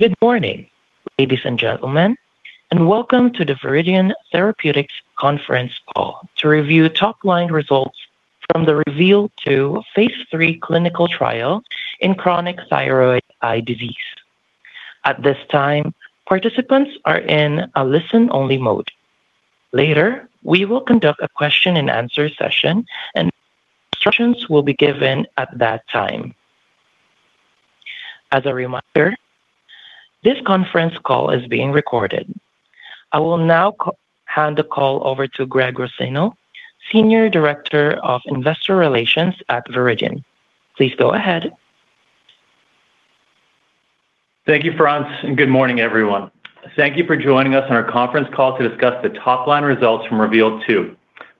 Good morning, ladies and gentlemen, welcome to the Viridian Therapeutics conference call to review top-line results from the REVEAL-2 phase III clinical trial in chronic Thyroid Eye Disease. At this time, participants are in a listen-only mode. Later, we will conduct a question and answer session, instructions will be given at that time. As a reminder, this conference call is being recorded. I will now hand the call over to Greg Rossano, Senior Director of Investor Relations at Viridian. Please go ahead. Thank you, Franz. Good morning, everyone. Thank you for joining us on our conference call to discuss the top-line results from REVEAL-2,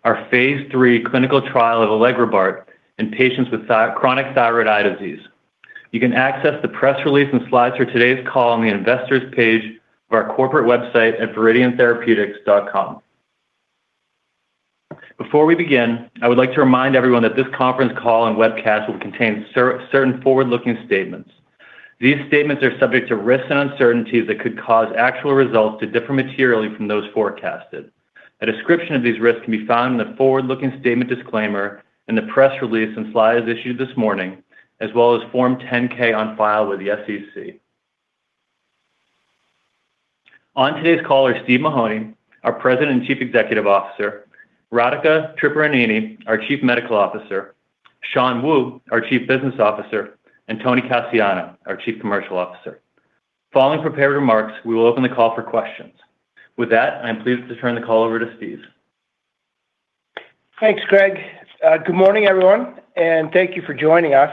our phase III clinical trial of elegrobart in patients with chronic Thyroid Eye Disease. You can access the press release and slides for today's call on the investors page of our corporate website at viridiantherapeutics.com. Before we begin, I would like to remind everyone that this conference call and webcast will contain certain forward-looking statements. These statements are subject to risks and uncertainties that could cause actual results to differ materially from those forecasted. A description of these risks can be found in the forward-looking statement disclaimer in the press release and slides issued this morning, as well as Form 10-K on file with the SEC. On today's call are Steve Mahoney, our President and Chief Executive Officer, Radhika Tripuraneni, our Chief Medical Officer, Shan Wu, our Chief Business Officer, and Tony Casciano, our Chief Commercial Officer. Following prepared remarks, we will open the call for questions. With that, I'm pleased to turn the call over to Steve. Thanks, Greg. Good morning, everyone, thank you for joining us.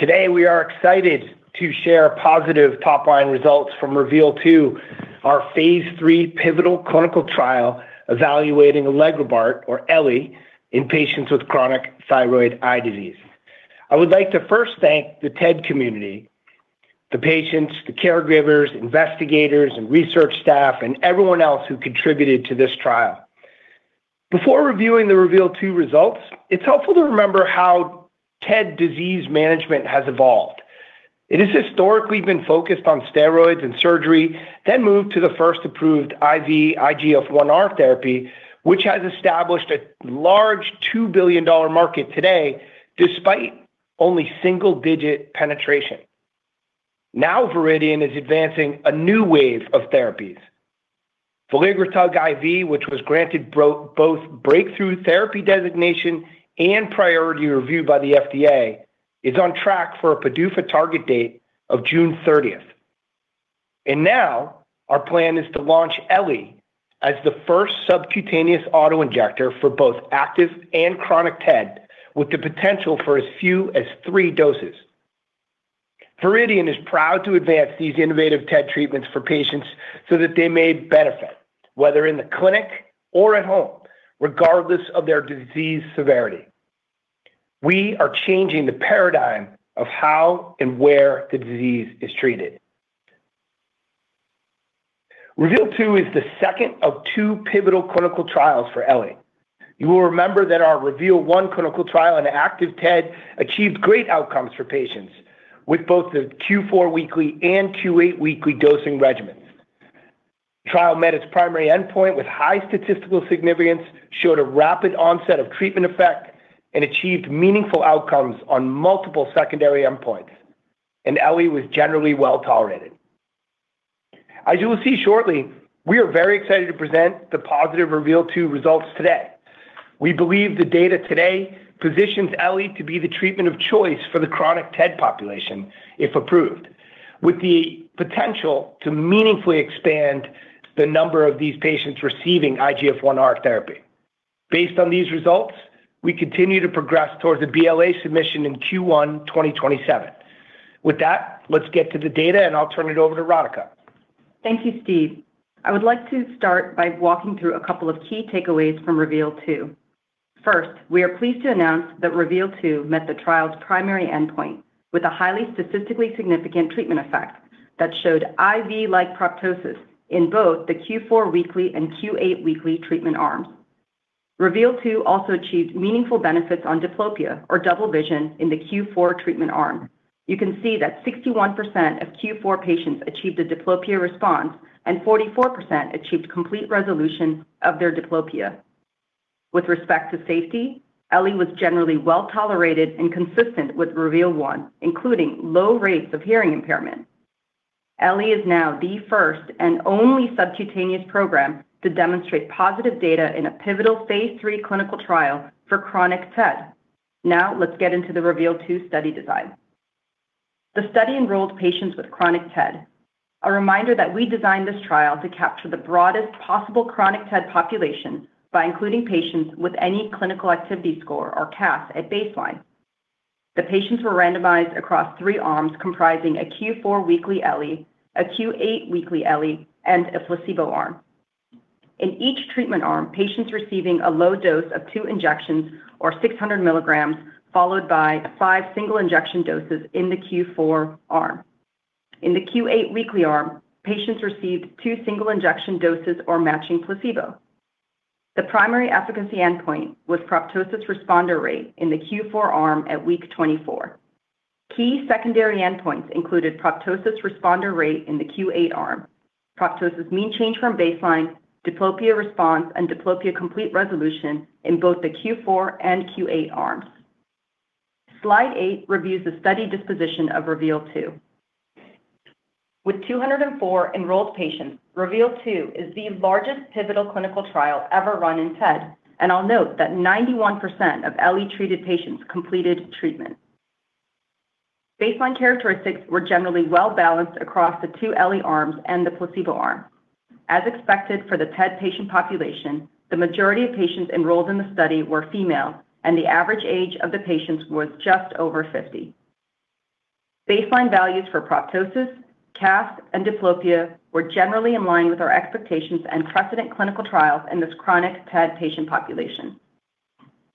Today, we are excited to share positive top-line results from REVEAL-2, our phase III pivotal clinical trial evaluating elegrobart or Ellay in patients with chronic Thyroid Eye Disease. I would like to first thank the TED community, the patients, the caregivers, investigators and research staff, and everyone else who contributed to this trial. Before reviewing the REVEAL-2 results, it's helpful to remember how TED disease management has evolved. It has historically been focused on steroids and surgery, then moved to the first approved IV IGF-1R therapy, which has established a large $2 billion market today, despite only single-digit penetration. Now, Viridian is advancing a new wave of therapies. veligrotug IV, which was granted both breakthrough therapy designation and priority review by the FDA, is on track for a PDUFA target date of June thirtieth. Now, our plan is to launch Ellay as the first subcutaneous auto-injector for both active and chronic TED, with the potential for as few as three doses. Viridian is proud to advance these innovative TED treatments for patients so that they may benefit, whether in the clinic or at home, regardless of their disease severity. We are changing the paradigm of how and where the disease is treated. REVEAL-2 is the second of two pivotal clinical trials for Ellay. You will remember that our REVEAL-1 clinical trial on active TED achieved great outcomes for patients with both the Q4 weekly and Q8 weekly dosing regimens. Trial met its primary endpoint with high statistical significance, showed a rapid onset of treatment effect, and achieved meaningful outcomes on multiple secondary endpoints. Ellay was generally well-tolerated. As you will see shortly, we are very excited to present the positive REVEAL-2 results today. We believe the data today positions Ellay to be the treatment of choice for the chronic TED population, if approved, with the potential to meaningfully expand the number of these patients receiving IGF-1R therapy. Based on these results, we continue to progress towards a BLA submission in Q1 2027. With that, let's get to the data, and I'll turn it over to Radhika. Thank you, Steve. I would like to start by walking through a couple of key takeaways from REVEAL-2. First, we are pleased to announce that REVEAL-2 met the trial's primary endpoint with a highly statistically significant treatment effect that showed IV-like proptosis in both the Q4 weekly and Q8 weekly treatment arms. REVEAL-2 also achieved meaningful benefits on diplopia, or double vision, in the Q4 treatment arm. You can see that 61% of Q4 patients achieved a diplopia response, and 44% achieved complete resolution of their diplopia. With respect to safety, Ellay was generally well-tolerated and consistent with REVEAL-1, including low rates of hearing impairment. Ellay is now the first and only subcutaneous program to demonstrate positive data in a pivotal phase III clinical trial for chronic TED. Let's get into the REVEAL-2 study design. The study enrolled patients with chronic TED. A reminder that we designed this trial to capture the broadest possible chronic TED population by including patients with any clinical activity score or CAS at baseline. The patients were randomized across three arms comprising a Q4 weekly Ellay, a Q8 weekly Ellay, and a placebo arm. In each treatment arm, patients receiving a low dose of two injections or 600 milligrams followed by five single injection doses in the Q4 arm. In the Q8 weekly arm, patients received two single injection doses or matching placebo. The primary efficacy endpoint was proptosis responder rate in the Q4 arm at week 24. Key secondary endpoints included proptosis responder rate in the Q8 arm, proptosis mean change from baseline, diplopia response, and diplopia complete resolution in both the Q4 and Q8 arms. Slide eight reviews the study disposition of REVEAL-2. With 204 enrolled patients, REVEAL-2 is the largest pivotal clinical trial ever run in TED, and I'll note that 91% of LE-treated patients completed treatment. Baseline characteristics were generally well-balanced across the two LE arms and the placebo arm. As expected for the TED patient population, the majority of patients enrolled in the study were female, and the average age of the patients was just over 50. Baseline values for proptosis, CAS, and diplopia were generally in line with our expectations and precedent clinical trials in this chronic TED patient population.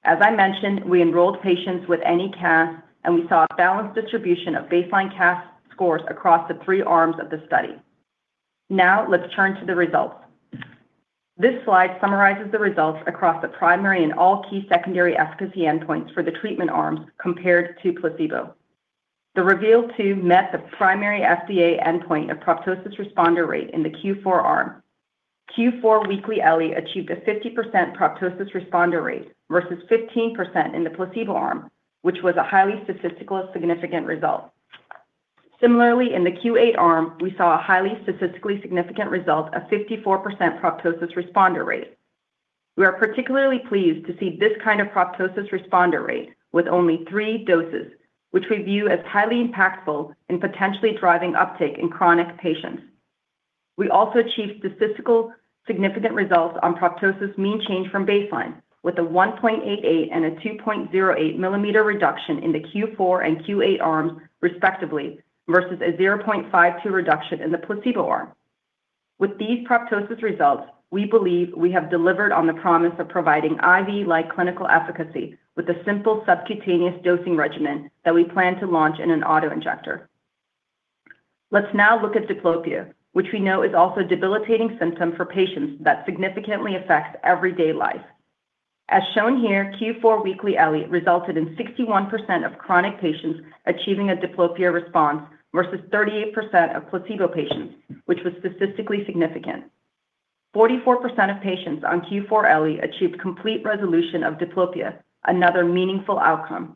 As I mentioned, we enrolled patients with any CAS, and we saw a balanced distribution of baseline CAS scores across the 3 arms of the study. Now let's turn to the results. This slide summarizes the results across the primary and all key secondary efficacy endpoints for the treatment arms compared to placebo. The REVEAL-2 met the primary FDA endpoint of proptosis responder rate in the Q4 arm. Q4 weekly LE achieved a 50% proptosis responder rate versus 15% in the placebo arm, which was a highly statistically significant result. Similarly, in the Q8 arm, we saw a highly statistically significant result of 54% proptosis responder rate. We are particularly pleased to see this kind of proptosis responder rate with only three doses, which we view as highly impactful in potentially driving uptake in chronic patients. We also achieved statistically significant results on proptosis mean change from baseline with a 1.88 and a 2.08 millimeter reduction in the Q4 and Q8 arms respectively, versus a 0.52 reduction in the placebo arm. With these proptosis results, we believe we have delivered on the promise of providing IV-like clinical efficacy with a simple subcutaneous dosing regimen that we plan to launch in an auto-injector. Let's now look at diplopia, which we know is also a debilitating symptom for patients that significantly affects everyday life. As shown here, Q4 weekly LE resulted in 61 of chronic patients achieving a diplopia response versus 38% of placebo patients, which was statistical significance. 44% of patients on Q4 LE achieved complete resolution of diplopia, another meaningful outcome.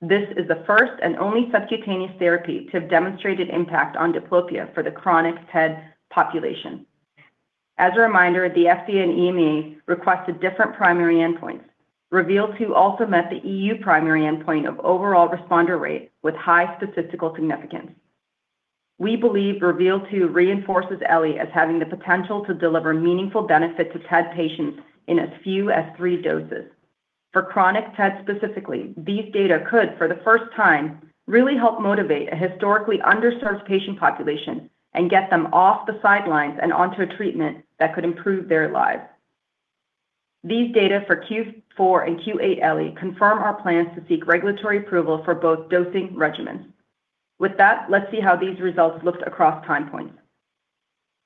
This is the first and only subcutaneous therapy to have demonstrated impact on diplopia for the chronic TED population. As a reminder, the FDA and EMA requested different primary endpoints. REVEAL-2 also met the EU primary endpoint of overall responder rate with high statistical significance. We believe REVEAL-2 reinforces LE as having the potential to deliver meaningful benefit to TED patients in as few as three doses. For chronic TED specifically, these data could, for the first time, really help motivate a historically underserved patient population and get them off the sidelines and onto a treatment that could improve their lives. These data for Q4 and Q8 LE confirm our plans to seek regulatory approval for both dosing regimens. With that, let's see how these results looked across time points.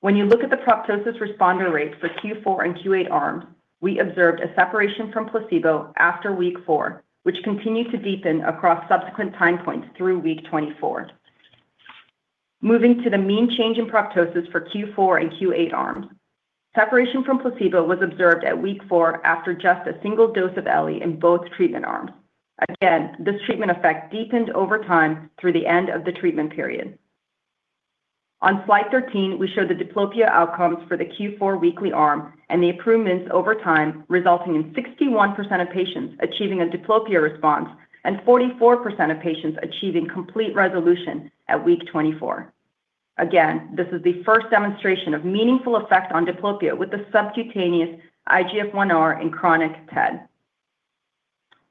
When you look at the proptosis responder rates for Q4 and Q8 arms, we observed a separation from placebo after week four, which continued to deepen across subsequent time points through week 24. Moving to the mean change in proptosis for Q4 and Q8 arms. Separation from placebo was observed at week four after just a single dose of LE in both treatment arms. Again, this treatment effect deepened over time through the end of the treatment period. On slide 13, we show the diplopia outcomes for the Q4 weekly arm and the improvements over time, resulting in 61% of patients achieving a diplopia response and 44% of patients achieving complete resolution at week 24. Again, this is the first demonstration of meaningful effect on diplopia with the subcutaneous IGF-1R in chronic TED.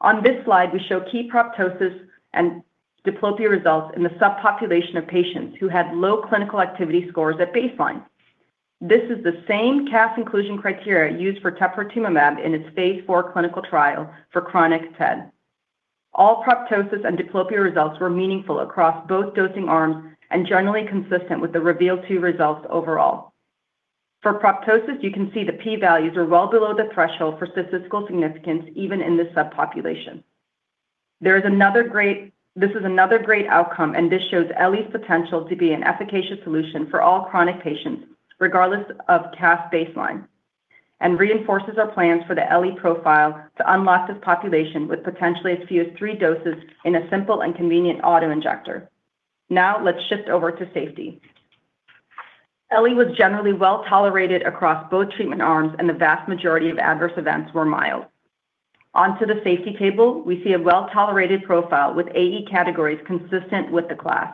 On this slide, we show key proptosis and diplopia results in the subpopulation of patients who had low clinical activity scores at baseline. This is the same CAS inclusion criteria used for teprotumumab in its phase IV clinical trial for chronic TED. All proptosis and diplopia results were meaningful across both dosing arms and generally consistent with the REVEAL-2 results overall. For proptosis, you can see the P values are well below the threshold for statistical significance, even in this subpopulation. This is another great outcome, and this shows LE's potential to be an efficacious solution for all chronic patients, regardless of CAS baseline, and reinforces our plans for the LE profile to unlock this population with potentially as few as three doses in a simple and convenient auto-injector. Now let's shift over to safety. LE was generally well-tolerated across both treatment arms, and the vast majority of adverse events were mild. Onto the safety table. We see a well-tolerated profile with AE categories consistent with the class.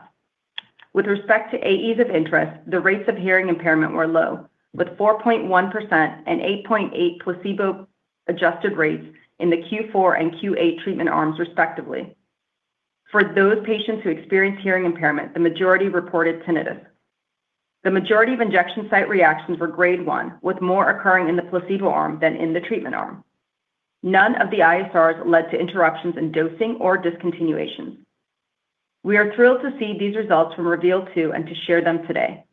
With respect to AEs of interest, the rates of hearing impairment were low, with 4.1% and 8.8 placebo-adjusted rates in the Q4 and Q8 treatment arms, respectively. For those patients who experienced hearing impairment, the majority reported tinnitus. The majority of injection site reactions were grade one, with more occurring in the placebo arm than in the treatment arm. None of the ISRs led to interruptions in dosing or discontinuations. We are thrilled to see these results from REVEAL-2 and to share them today.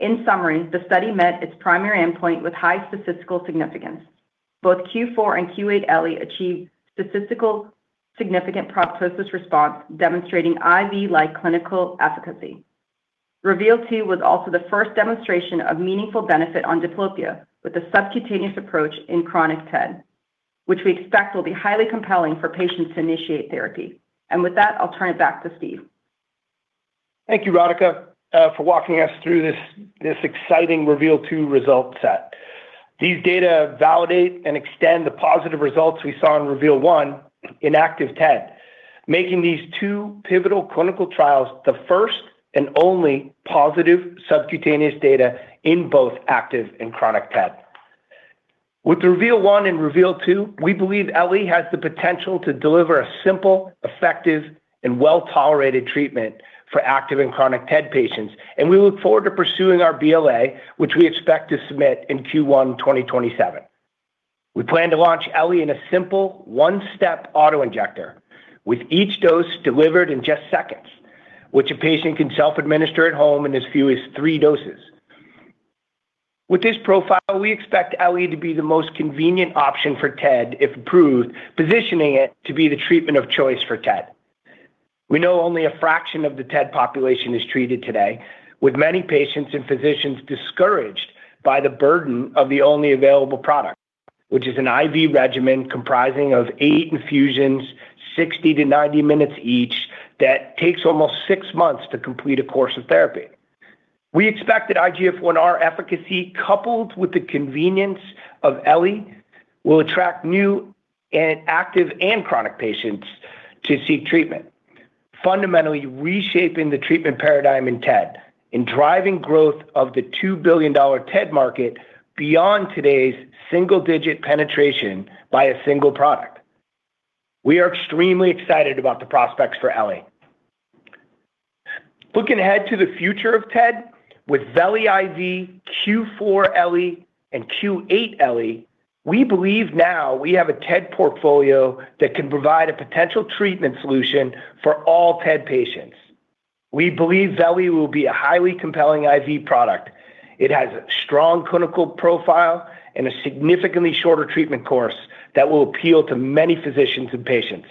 In summary, the study met its primary endpoint with high statistical significance. Both Q4 and Q8 elegrobart achieved statistical significant proptosis response demonstrating IV-like clinical efficacy. REVEAL-2 was also the first demonstration of meaningful benefit on diplopia with the subcutaneous approach in chronic TED, which we expect will be highly compelling for patients to initiate therapy. With that, I'll turn it back to Steve. Thank you, Radhika, for walking us through this exciting REVEAL-2 result set. These data validate and extend the positive results we saw in REVEAL-1 in active TED, making these two pivotal clinical trials the first and only positive subcutaneous data in both active and chronic TED. With the REVEAL-1 and REVEAL-2, we believe Ellay has the potential to deliver a simple, effective, and well-tolerated treatment for active and chronic TED patients, and we look forward to pursuing our BLA, which we expect to submit in Q1 2027. We plan to launch Ellay in a simple one-step auto-injector with each dose delivered in just seconds, which a patient can self-administer at home in as few as three doses. With this profile, we expect elegrobart to be the most convenient option for TED if approved, positioning it to be the treatment of choice for TED. We know only a fraction of the TED population is treated today, with many patients and physicians discouraged by the burden of the only available product, which is an IV regimen comprising of eight infusions, 60-90 minutes each. That takes almost six months to complete a course of therapy. We expect that IGF-1R efficacy coupled with the convenience of elegrobart will attract new and active and chronic patients to seek treatment, fundamentally reshaping the treatment paradigm in TED and driving growth of the $2 billion TED market beyond today's single-digit penetration by a single product. We are extremely excited about the prospects for elegrobart. Looking ahead to the future of TED with veli IV, Q4 elegrobart, and Q8 elegrobart, we believe now we have a TED portfolio that can provide a potential treatment solution for all TED patients. We believe veli will be a highly compelling IV product. It has a strong clinical profile and a significantly shorter treatment course that will appeal to many physicians and patients.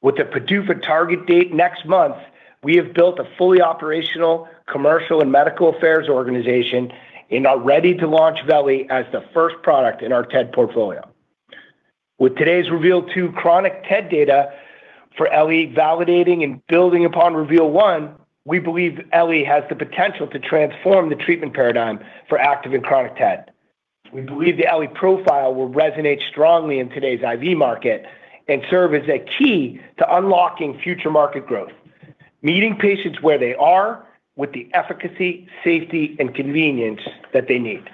With the PDUFA target date next month, we have built a fully operational commercial and medical affairs organization and are ready to launch veli as the first product in our TED portfolio. With today's REVEAL-2 chronic TED data for elegrobart validating and building upon REVEAL-1, we believe elegrobart has the potential to transform the treatment paradigm for active and chronic TED. We believe the Ellay profile will resonate strongly in today's IV market and serve as a key to unlocking future market growth, meeting patients where they are with the efficacy, safety, and convenience that they need.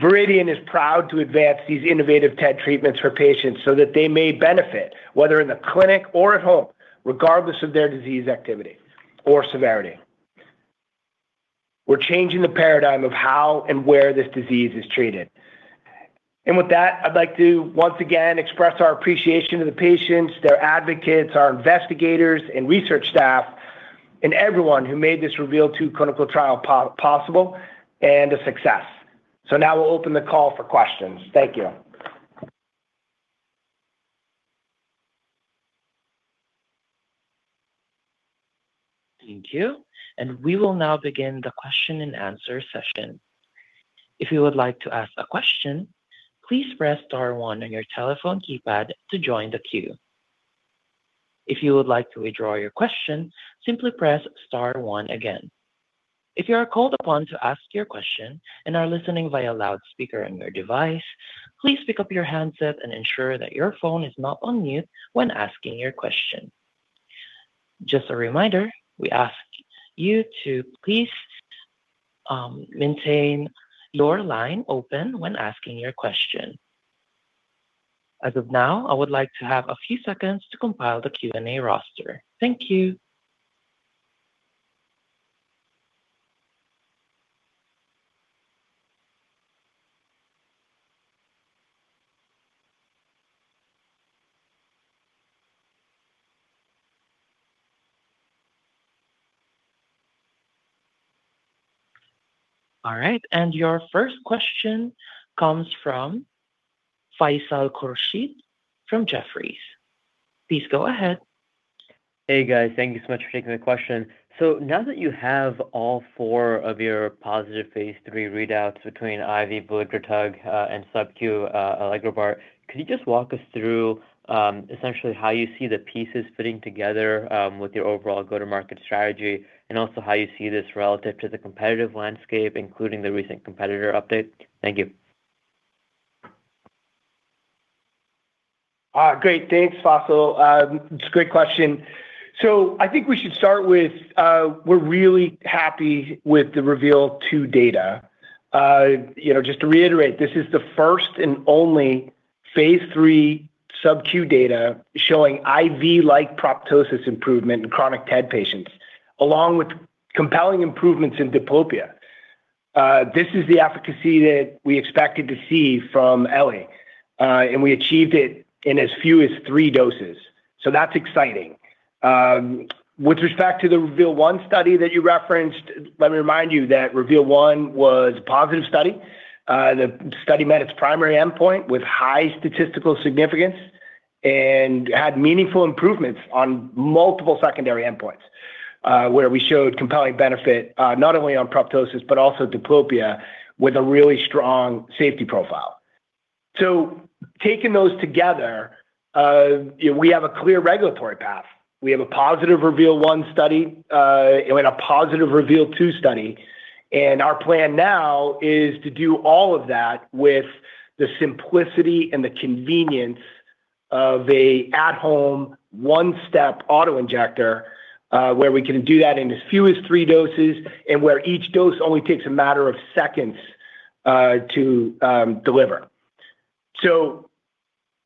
Viridian is proud to advance these innovative TED treatments for patients so that they may benefit, whether in the clinic or at home, regardless of their disease activity or severity. We're changing the paradigm of how and where this disease is treated. With that, I'd like to once again express our appreciation to the patients, their advocates, our investigators and research staff, and everyone who made this REVEAL-2 clinical trial possible and a success. Now we'll open the call for questions. Thank you. Thank you. We will now begin the question-and-answer session. If you would like to ask a question, please press star one on your telephone keypad to join the queue. If you would like to withdraw your question, simply press star one again. If you are called upon to ask your question and are listening via loudspeaker on your device, please pick up your handset and ensure that your phone is not on mute when asking your question. Just a reminder, we ask you to please maintain your line open when asking your question. As of now, I would like to have a few seconds to compile the Q&A roster. Thank you. All right. Your first question comes from Faisal Khurshid from Jefferies. Please go ahead. Hey, guys. Thank you so much for taking the question. Now that you have all four of your positive phase III readouts between IV veligrotug and subcu elegrobart, could you just walk us through essentially how you see the pieces fitting together with your overall go-to-market strategy and also how you see this relative to the competitive landscape, including the recent competitor update? Thank you. Great. Thanks, Faisal. It's a great question. I think we should start with, we're really happy with the REVEAL-2 data. You know, just to reiterate, this is the first and only phase III subQ data showing IV-like proptosis improvement in chronic TED patients along with compelling improvements in diplopia. This is the efficacy that we expected to see from ELE, and we achieved it in as few as three doses. That's exciting. With respect to the REVEAL-1 study that you referenced, let me remind you that REVEAL-1 was a positive study. The study met its primary endpoint with high statistical significance and had meaningful improvements on multiple secondary endpoints, where we showed compelling benefit, not only on proptosis but also diplopia with a really strong safety profile. Taking those together, we have a clear regulatory path. We have a positive REVEAL-1 study and a positive REVEAL-2 study. Our plan now is to do all of that with the simplicity and the convenience of a at-home, one-step auto-injector, where we can do that in as few as three doses and where each dose only takes a matter of seconds to deliver.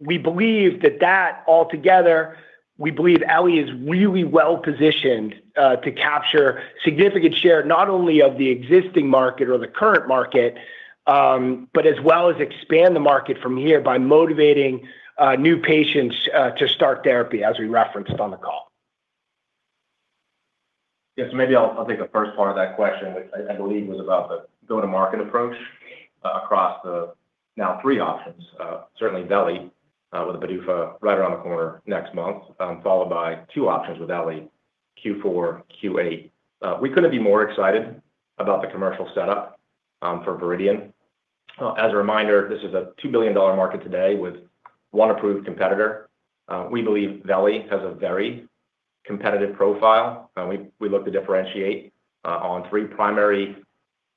We believe that altogether, we believe ELE is really well-positioned to capture significant share, not only of the existing market or the current market, but as well as expand the market from here by motivating new patients to start therapy as we referenced on the call. Yes, maybe I'll take the first part of that question, which I believe was about the go-to-market approach across the now three options. Certainly Veli, with the PDUFA right around the corner next month, followed by two options with elegrobart Q4, Q8. We couldn't be more excited about the commercial setup for Viridian. As a reminder, this is a $2 billion market today with one approved competitor. We believe Veli has a very competitive profile. We look to differentiate on three primary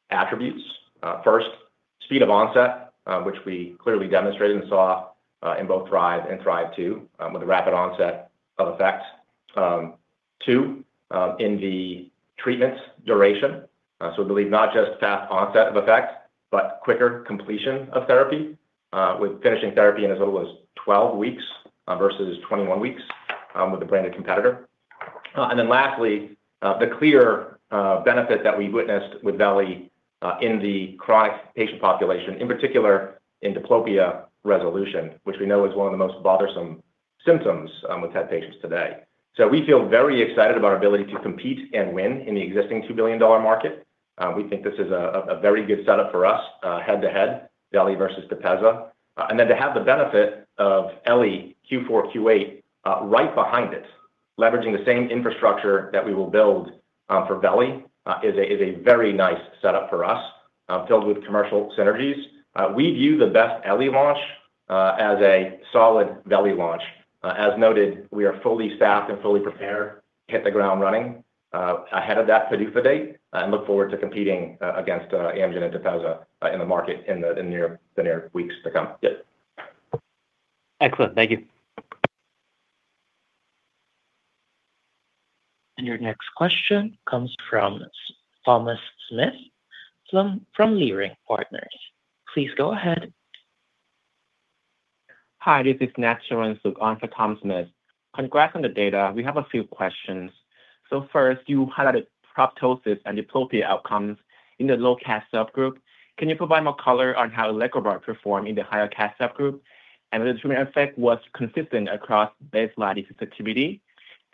attributes. First, speed of onset, which we clearly demonstrated and saw in both THRIVE and THRIVE-2, with a rapid onset of effect. two, in the treatment duration. We believe not just fast onset of effect, but quicker completion of therapy, with finishing therapy in as little as 12 weeks, versus 21 weeks, with a branded competitor. Lastly, the clear benefit that we witnessed with veli in the chronic patient population, in particular in diplopia resolution, which we know is one of the most bothersome symptoms with TED patients today. We feel very excited about our ability to compete and win in the existing $2 billion market. We think this is a very good setup for us, head-to-head, veli versus TEPEZZA. To have the benefit of ELE Q4, Q8, right behind it, leveraging the same infrastructure that we will build for Veli, is a very nice setup for us, filled with commercial synergies. We view the best ELE launch as a solid Veli launch. As noted, we are fully staffed and fully prepared to hit the ground running ahead of that PDUFA date. I look forward to competing against Amgen and TEPEZZA in the market in the near weeks to come. Yeah. Excellent. Thank you. Your next question comes from Thomas Smith from Leerink Partners. Please go ahead. Hi, this is Natt Sarunsuk on for Tom Smith. Congrats on the data. We have a few questions. First, you highlighted proptosis and diplopia outcomes in the low CAS subgroup. Can you provide more color on how elegrobart performed in the higher CAS subgroup? The treatment effect was consistent across baseline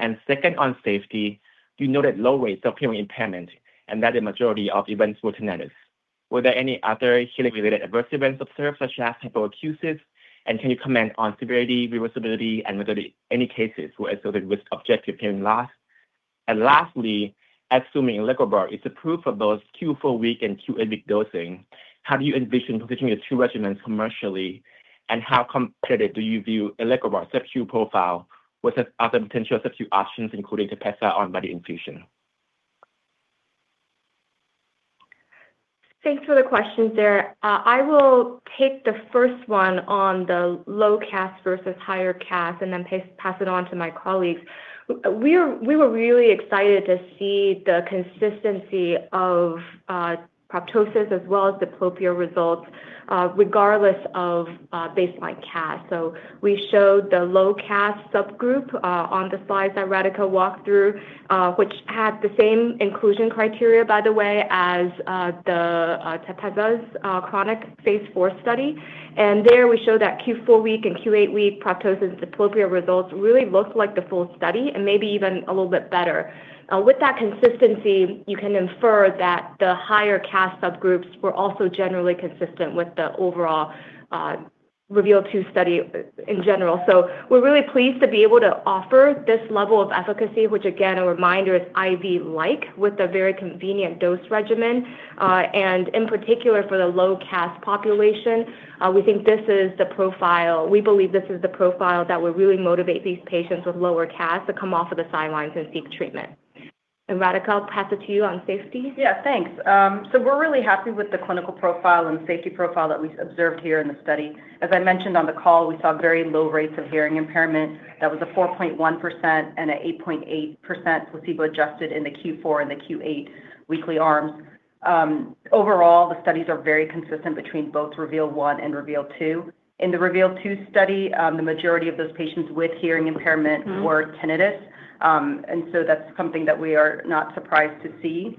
sensitivity. Second, on safety, you noted low rates of hearing impairment and that the majority of events were tinnitus. Were there any other hearing-related adverse events observed, such as hyperacusis? Can you comment on severity, reversibility, and whether any cases were associated with objective hearing loss? Lastly, assuming elegrobart is approved for both Q4 week and Q8 week dosing, how do you envision positioning the two regimens commercially? How competitive do you view elegrobart's SQ profile with the other potential SQ options, including TEPEZZA on body infusion? Thanks for the questions there. I will take the first one on the low CAS versus higher CAS and then pass it on to my colleagues. We were really excited to see the consistency of proptosis as well as diplopia results regardless of baseline CAS. We showed the low CAS subgroup on the slides that Radhika walked through, which had the same inclusion criteria, by the way, as the TEPEZZA's chronic phase IV study. There we show that Q4 week and Q8 week proptosis diplopia results really looked like the full study and maybe even a little bit better. With that consistency, you can infer that the higher CAS subgroups were also generally consistent with the overall REVEAL-2 study in general. We're really pleased to be able to offer this level of efficacy, which again, a reminder, is IV-like with a very convenient dose regimen. In particular, for the low CAS population, we think this is the profile. We believe this is the profile that will really motivate these patients with lower CAS to come off of the sidelines and seek treatment. Radhika, I'll pass it to you on safety. Yeah, thanks. We're really happy with the clinical profile and safety profile that we observed here in the study. As I mentioned on the call, we saw very low rates of hearing impairment. That was a 4.1% and an 8.8% placebo-adjusted in the Q4 and the Q8 weekly arms. Overall, the studies are very consistent between both REVEAL-1 and REVEAL-2. In the REVEAL-2 study, the majority of those patients with hearing impairment were tinnitus. That's something that we are not surprised to see.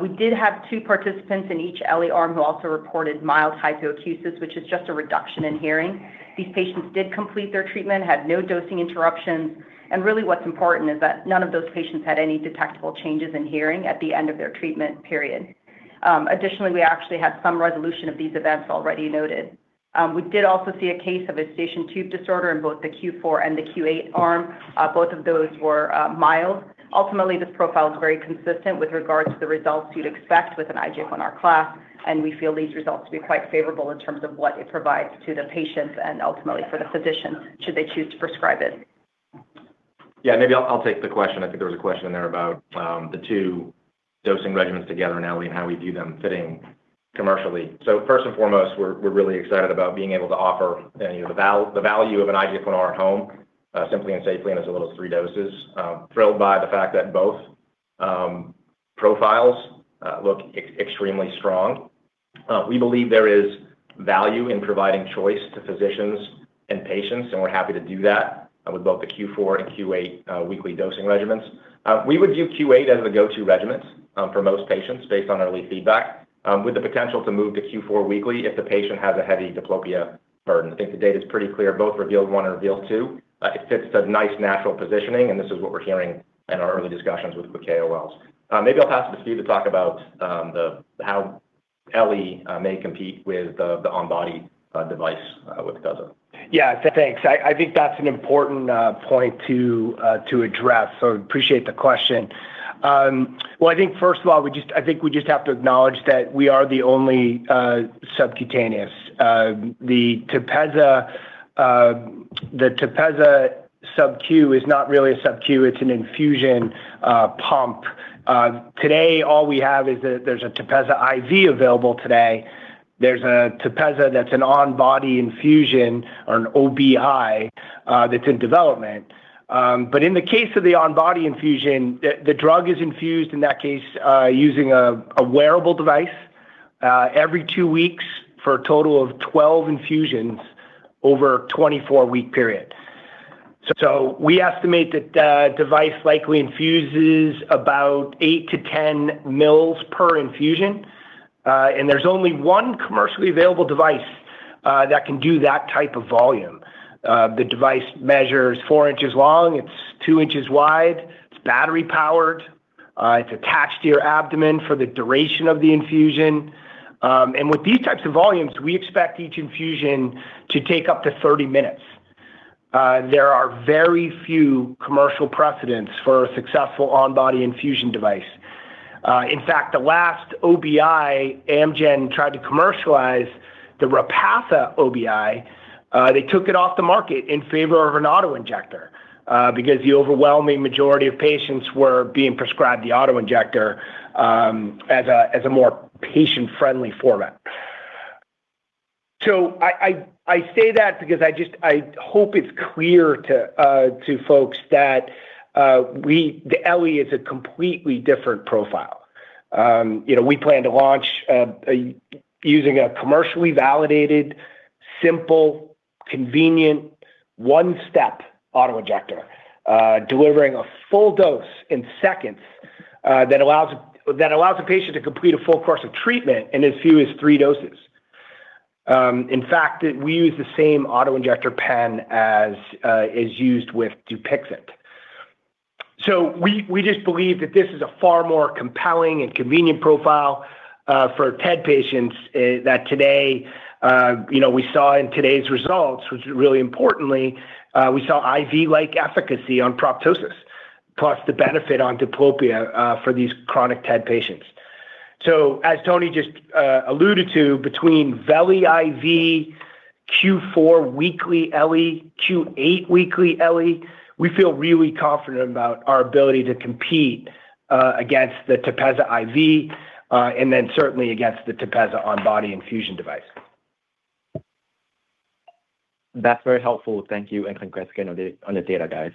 We did have two participants in each LE arm who also reported mild hypoacusis, which is just a reduction in hearing. These patients did complete their treatment, had no dosing interruptions, and really what's important is that none of those patients had any detectable changes in hearing at the end of their treatment period. Additionally, we actually had some resolution of these events already noted. We did also see a case of a eustachian tube disorder in both the Q4 and the Q8 arm. Both of those were mild. Ultimately, this profile is very consistent with regards to the results you'd expect with an IGF-1Rclass, and we feel these results to be quite favorable in terms of what it provides to the patients and ultimately for the physician should they choose to prescribe it. Maybe I'll take the question. I think there was a question in there about the two dosing regimens together in elegrobart and how we view them fitting commercially. First and foremost, we're really excited about being able to offer, you know, the value of an IGF-1R at home, simply and safely, and as little as three doses. Thrilled by the fact that both profiles look extremely strong. We believe there is value in providing choice to physicians and patients, and we're happy to do that with both the Q4 and Q8 weekly dosing regimens. We would view Q8 as the go-to regimens for most patients based on early feedback, with the potential to move to Q4 weekly if the patient has a heavy diplopia burden. I think the data's pretty clear, both REVEAL-1 and REVEAL-2. It fits a nice natural positioning, and this is what we're hearing in our early discussions with KOLs. Maybe I'll pass it to Steve to talk about how elegrobart may compete with the on body device with TEPEZZA. Thanks. I think that's an important point to address, so appreciate the question. Well, I think first of all, we just have to acknowledge that we are the only subcutaneous. The TEPEZZA subQ is not really a subQ, it's an infusion pump. Today all we have is a TEPEZZA IV available today. There's a TEPEZZA that's an on-body infusion or an OBI that's in development. But in the case of the on-body infusion, the drug is infused in that case using a wearable device every two weeks for a total of 12 infusions over a 24-week period. So, we estimate that the device likely infuses about 8-10 mL per infusion. There's only 1 commercially available device that can do that type of volume. The device measures 4 inches long, it's 2 inches wide, it's battery powered, it's attached to your abdomen for the duration of the infusion. With these types of volumes, we expect each infusion to take up to 30 minutes. There are very few commercial precedents for a successful on body infusion device. In fact, the last OBI Amgen tried to commercialize the Repatha OBI, they took it off the market in favor of an auto-injector, because the overwhelming majority of patients were being prescribed the auto-injector, as a more patient-friendly format. I say that because I hope it's clear to folks that the LE is a completely different profile. You know, we plan to launch using a commercially validated, simple, convenient, one-step auto-injector, delivering a full dose in seconds, that allows a patient to complete a full course of treatment in as few as three doses. In fact, we use the same auto-injector pen as is used with Dupixent. We just believe that this is a far more compelling and convenient profile for TED patients, that today, you know, we saw in today's results, which really importantly, we saw IV-like efficacy on proptosis, plus the benefit on diplopia, for these chronic TED patients. As Tony just alluded to, between veli IV, Q4 weekly LE, Q8 weekly LE, we feel really confident about our ability to compete against the TEPEZZA IV, and then certainly against the TEPEZZA on body infusion device. That's very helpful. Thank you. Congrats again on the, on the data, guys.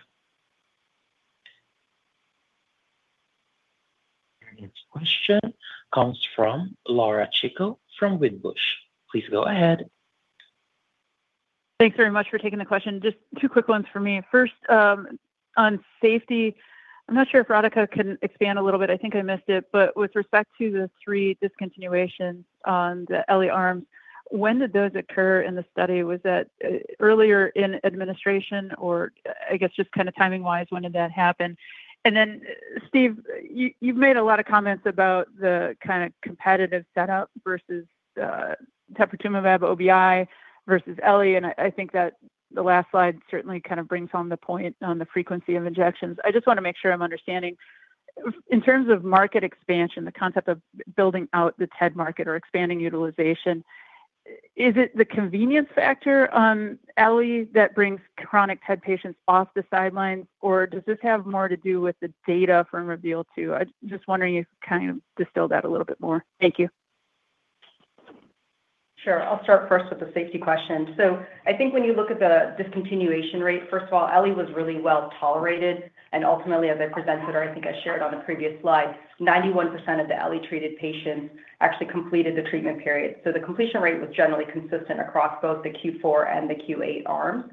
Your next question comes from Laura Chico from Wedbush. Please go ahead. Thanks very much for taking the question. Just two quick ones for me. First, on safety, I'm not sure if Radhika can expand a little bit. I think I missed it. With respect to the three discontinuations on the LE arms, when did those occur in the study? Was that earlier in administration or, I guess, just kind of timing-wise, when did that happen? Steve, you've made a lot of comments about the kind of competitive setup versus teprotumumab OBI versus LE, I think that the last slide certainly kind of brings home the point on the frequency of injections. I just wanna make sure I'm understanding. In terms of market expansion, the concept of building out the TED market or expanding utilization, is it the convenience factor on LE that brings chronic TED patients off the sidelines, or does this have more to do with the data from REVEAL-2? I'm just wondering if you can kind of distill that a little bit more. Thank you. Sure. I'll start first with the safety question. I think when you look at the discontinuation rate, first of all, LE was really well-tolerated, and ultimately, as I presented, or I think I shared on a previous slide, 91% of the LE-treated patients actually completed the treatment period. The completion rate was generally consistent across both the Q4 and the Q8 arms.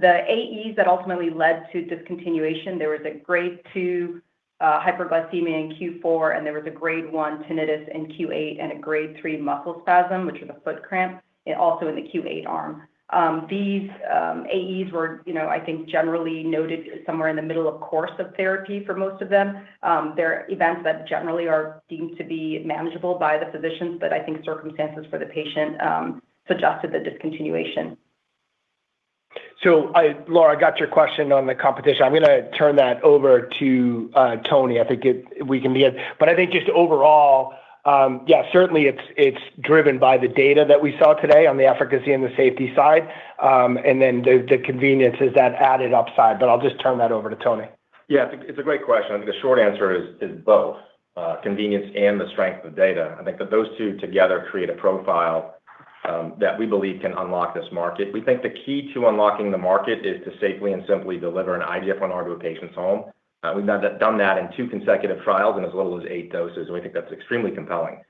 The AEs that ultimately led to discontinuation, there was a grade two hyperglycemia in Q4 and there was a grade one tinnitus in Q8 and a grade three muscle spasm, which was a foot cramp, also in the Q8 arm. These AEs were, you know, I think generally noted somewhere in the middle of course of therapy for most of them. They're events that generally are deemed to be manageable by the physicians, but I think circumstances for the patient suggested the discontinuation. Laura, I got your question on the competition. I'm going to turn that over to Tony Casciano. I think we can be at, but I think just overall, yeah, certainly it's driven by the data that we saw today on the efficacy and the safety side. Then the convenience is that added upside, but I'll just turn that over to Tony Casciano. Yeah, it's a great question. I think the short answer is both convenience and the strength of data. I think that those two together create a profile that we believe can unlock this market. We think the key to unlocking the market is to safely and simply deliver an IGF-1R to a patient's home. We've done that in 2 consecutive trials and as little as eight doses. We think that's extremely compelling.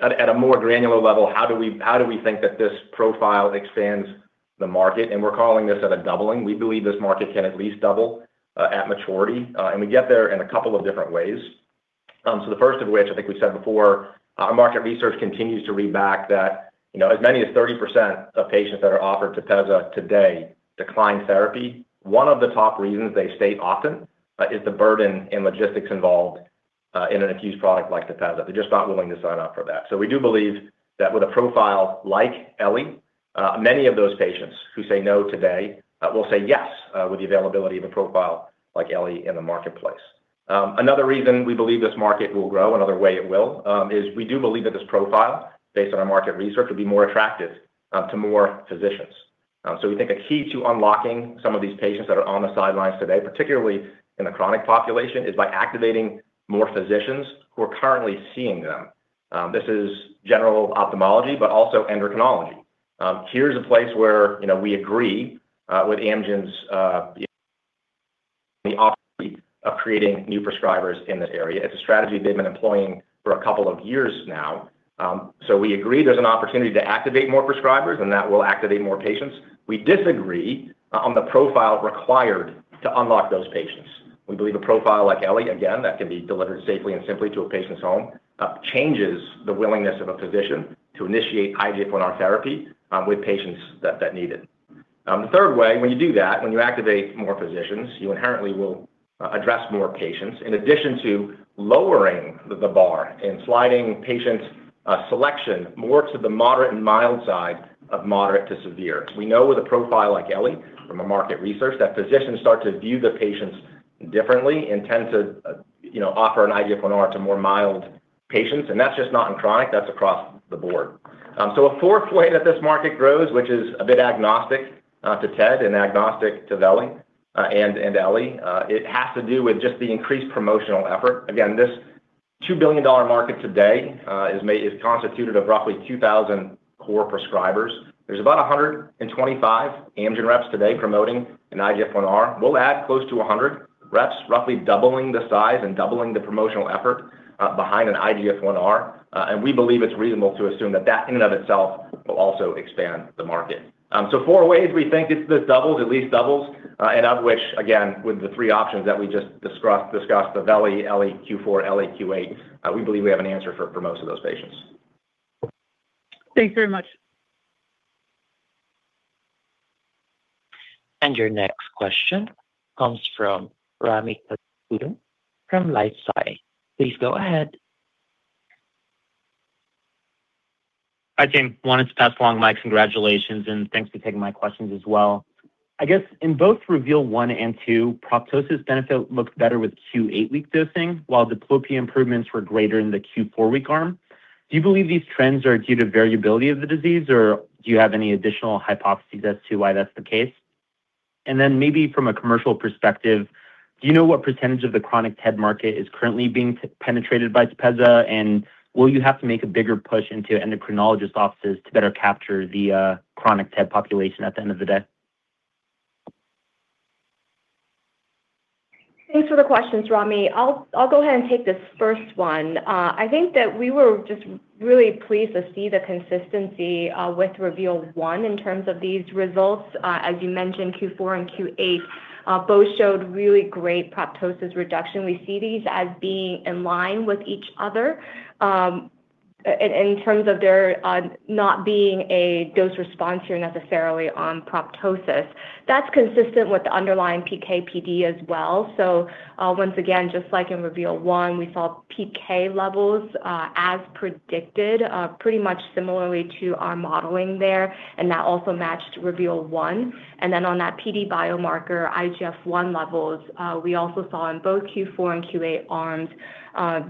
At a more granular level, how do we think that this profile expands the market? We're calling this at a doubling. We believe this market can at least double at maturity. We get there in a couple of different ways. The first of which I think we said before, our market research continues to read back that as many as 30% of patients that are offered TEPEZZA today decline therapy. One of the top reasons they state often is the burden and logistics involved in an infused product like TEPEZZA. They're just not willing to sign up for that. We do believe that with a profile like veli, many of those patients who say no today will say yes with the availability of a profile like veli in the marketplace. Another reason we believe this market will grow, another way it will, is we do believe that this profile based on our market research will be more attractive to more physicians. We think a key to unlocking some of these patients that are on the sidelines today, particularly in the chronic population, is by activating more physicians who are currently seeing them. This is general ophthalmology, but also endocrinology. Here's a place where we agree with Amgen's the opportunity of creating new prescribers in this area. It's a strategy they've been employing for a couple of years now. We agree there's an opportunity to activate more prescribers and that will activate more patients. We disagree on the profile required to unlock those patients. We believe a profile like veli, again, that can be delivered safely and simply to a patient's home, changes the willingness of a physician to initiate IGF-1R therapy with patients that need it. The third way, when you do that, when you activate more physicians, you inherently will address more patients in addition to lowering the bar and sliding patient selection more to the moderate and mild side of moderate to severe. We know with a profile like veli from a market research that physicians start to view the patients differently and tend to offer an IGF-1R to more mild patients. That's just not in chronic, that's across the board. A fourth way that this market grows, which is a bit agnostic to TED and agnostic to veli and veli, it has to do with just the increased promotional effort. Again, this $2 billion market today is constituted of roughly 2,000 core prescribers. There's about 125 Amgen reps today promoting an IGF-1R. We'll add close to 100 reps, roughly doubling the size and doubling the promotional effort behind an IGF-1R. We believe it's reasonable to assume that that in and of itself will also expand the market. Four ways we think this doubles, at least doubles. Of which, again, with the three options that we just discussed of veli, Q4, LAQ8, we believe we have an answer for most of those patients. Thanks very much. Your next question comes from Rami Katkhuda from LifeSci. Please go ahead. Hi, James. Wanted to pass along my congratulations and thanks for taking my questions as well. I guess in both REVEAL-1 and REVEAL-2, proptosis benefit looks better with Q8 week dosing, while diplopia improvements were greater in the Q4 week arm. Do you believe these trends are due to variability of the disease or do you have any additional hypotheses as to why that's the case? Maybe from a commercial perspective, do you know what % of the chronic TED market is currently being penetrated by TEPEZZA and will you have to make a bigger push into endocrinologist offices to better capture the chronic TED population at the end of the day? Thanks for the questions, Rami. I'll go ahead and take this first one. I think that we were just really pleased to see the consistency with REVEAL-1 in terms of these results. As you mentioned, Q4 and Q8 both showed really great proptosis reduction. We see these as being in line with each other in terms of there not being a dose response here necessarily on proptosis. That's consistent with the underlying PKPD as well. Once again, just like in REVEAL-1, we saw PK levels as predicted pretty much similarly to our modeling there. That also matched REVEAL-1. On that PD biomarker, IGF-1 levels, we also saw in both Q4 and Q8 arms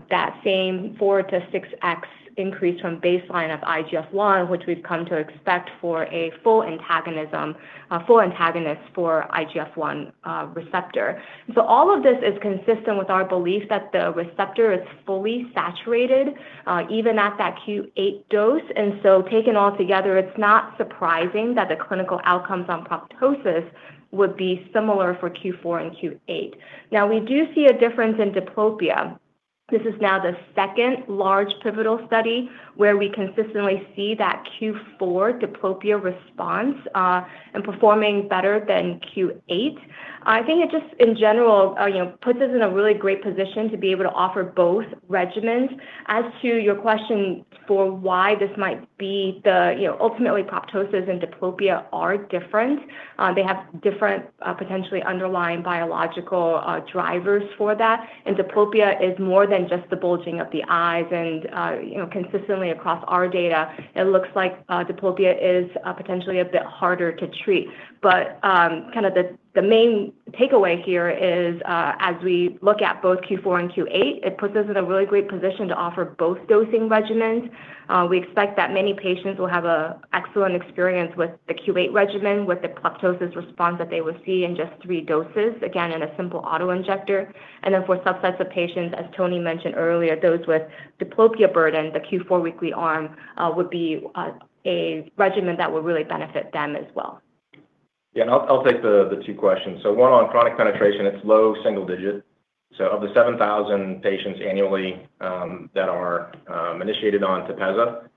that same 4x to 6x increase from baseline of IGF-1, which we've come to expect for a full antagonism, full antagonist for IGF-1 receptor. All of this is consistent with our belief that the receptor is fully saturated, even at that Q8 dose. Taken all together, it's not surprising that the clinical outcomes on proptosis would be similar for Q4 and Q8. We do see a difference in diplopia. This is now the second large pivotal study where we consistently see that Q4 diplopia response in performing better than Q8. I think it just in general, you know, puts us in a really great position to be able to offer both regimens. You know, ultimately proptosis and diplopia are different. They have different, potentially underlying biological drivers for that. Diplopia is more than just the bulging of the eyes and, you know, consistently across our data it looks like diplopia is potentially a bit harder to treat. The main takeaway here is, as we look at both Q4 and Q8, it puts us in a really great position to offer both dosing regimens. We expect that many patients will have a excellent experience with the Q8 regimen, with the proptosis response that they would see in just 3 doses, again, in a simple auto-injector. For subsets of patients, as Tony mentioned earlier, those with diplopia burden, the Q4 weekly arm would be a regimen that would really benefit them as well. Yeah. I'll take the two questions. One on chronic penetration. It's low single digit. Of the 7,000 patients annually that are initiated on TEPEZZA,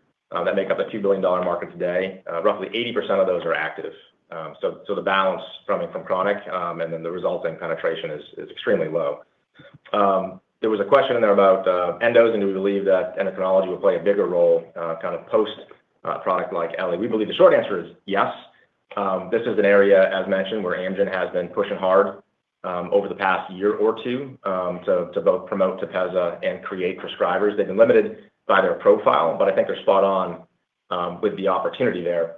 that make up a $2 billion market today, roughly 80% of those are active. So the balance from chronic, and the resulting penetration is extremely low. There was a question in there about endos and do we believe that endocrinology will play a bigger role kind of post a product like elegrobart. We believe the short answer is yes. This is an area, as mentioned, where Amgen has been pushing hard over the past year or two to both promote TEPEZZA and create prescribers. They've been limited by their profile, I think they're spot on with the opportunity there.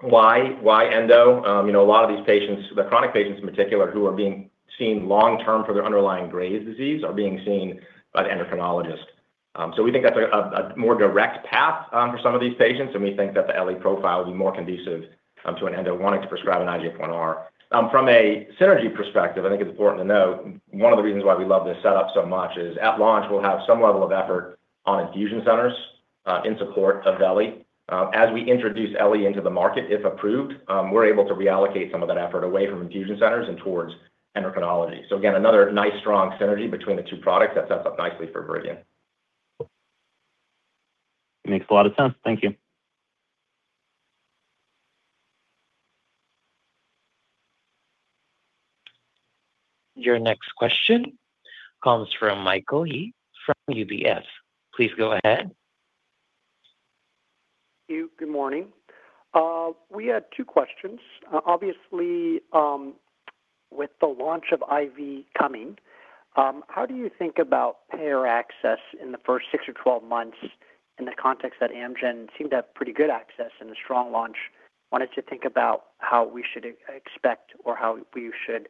Why endo? You know, a lot of these patients, the chronic patients in particular, who are being seen long-term for their underlying Graves' disease are being seen by the endocrinologist. So we think that's a more direct path for some of these patients, and we think that the Ellay profile will be more conducive to an endo wanting to prescribe an IGF-1R. From a synergy perspective, I think it's important to note one of the reasons why we love this setup so much is at launch we'll have some level of effort on infusion centers in support of Veli. As we introduce Ellay into the market, if approved, we're able to reallocate some of that effort away from infusion centers and towards endocrinology. Again, another nice strong synergy between the two products that sets up nicely for Viridian. Makes a lot of sense. Thank you. Your next question comes from Michael Yee from UBS. Please go ahead. Thank you. Good morning. We had two questions. Obviously, with the launch of IV coming, how do you think about payer access in the first 6 or 12 months in the context that Amgen seemed to have pretty good access and a strong launch? Wanted to think about how we should expect or how we should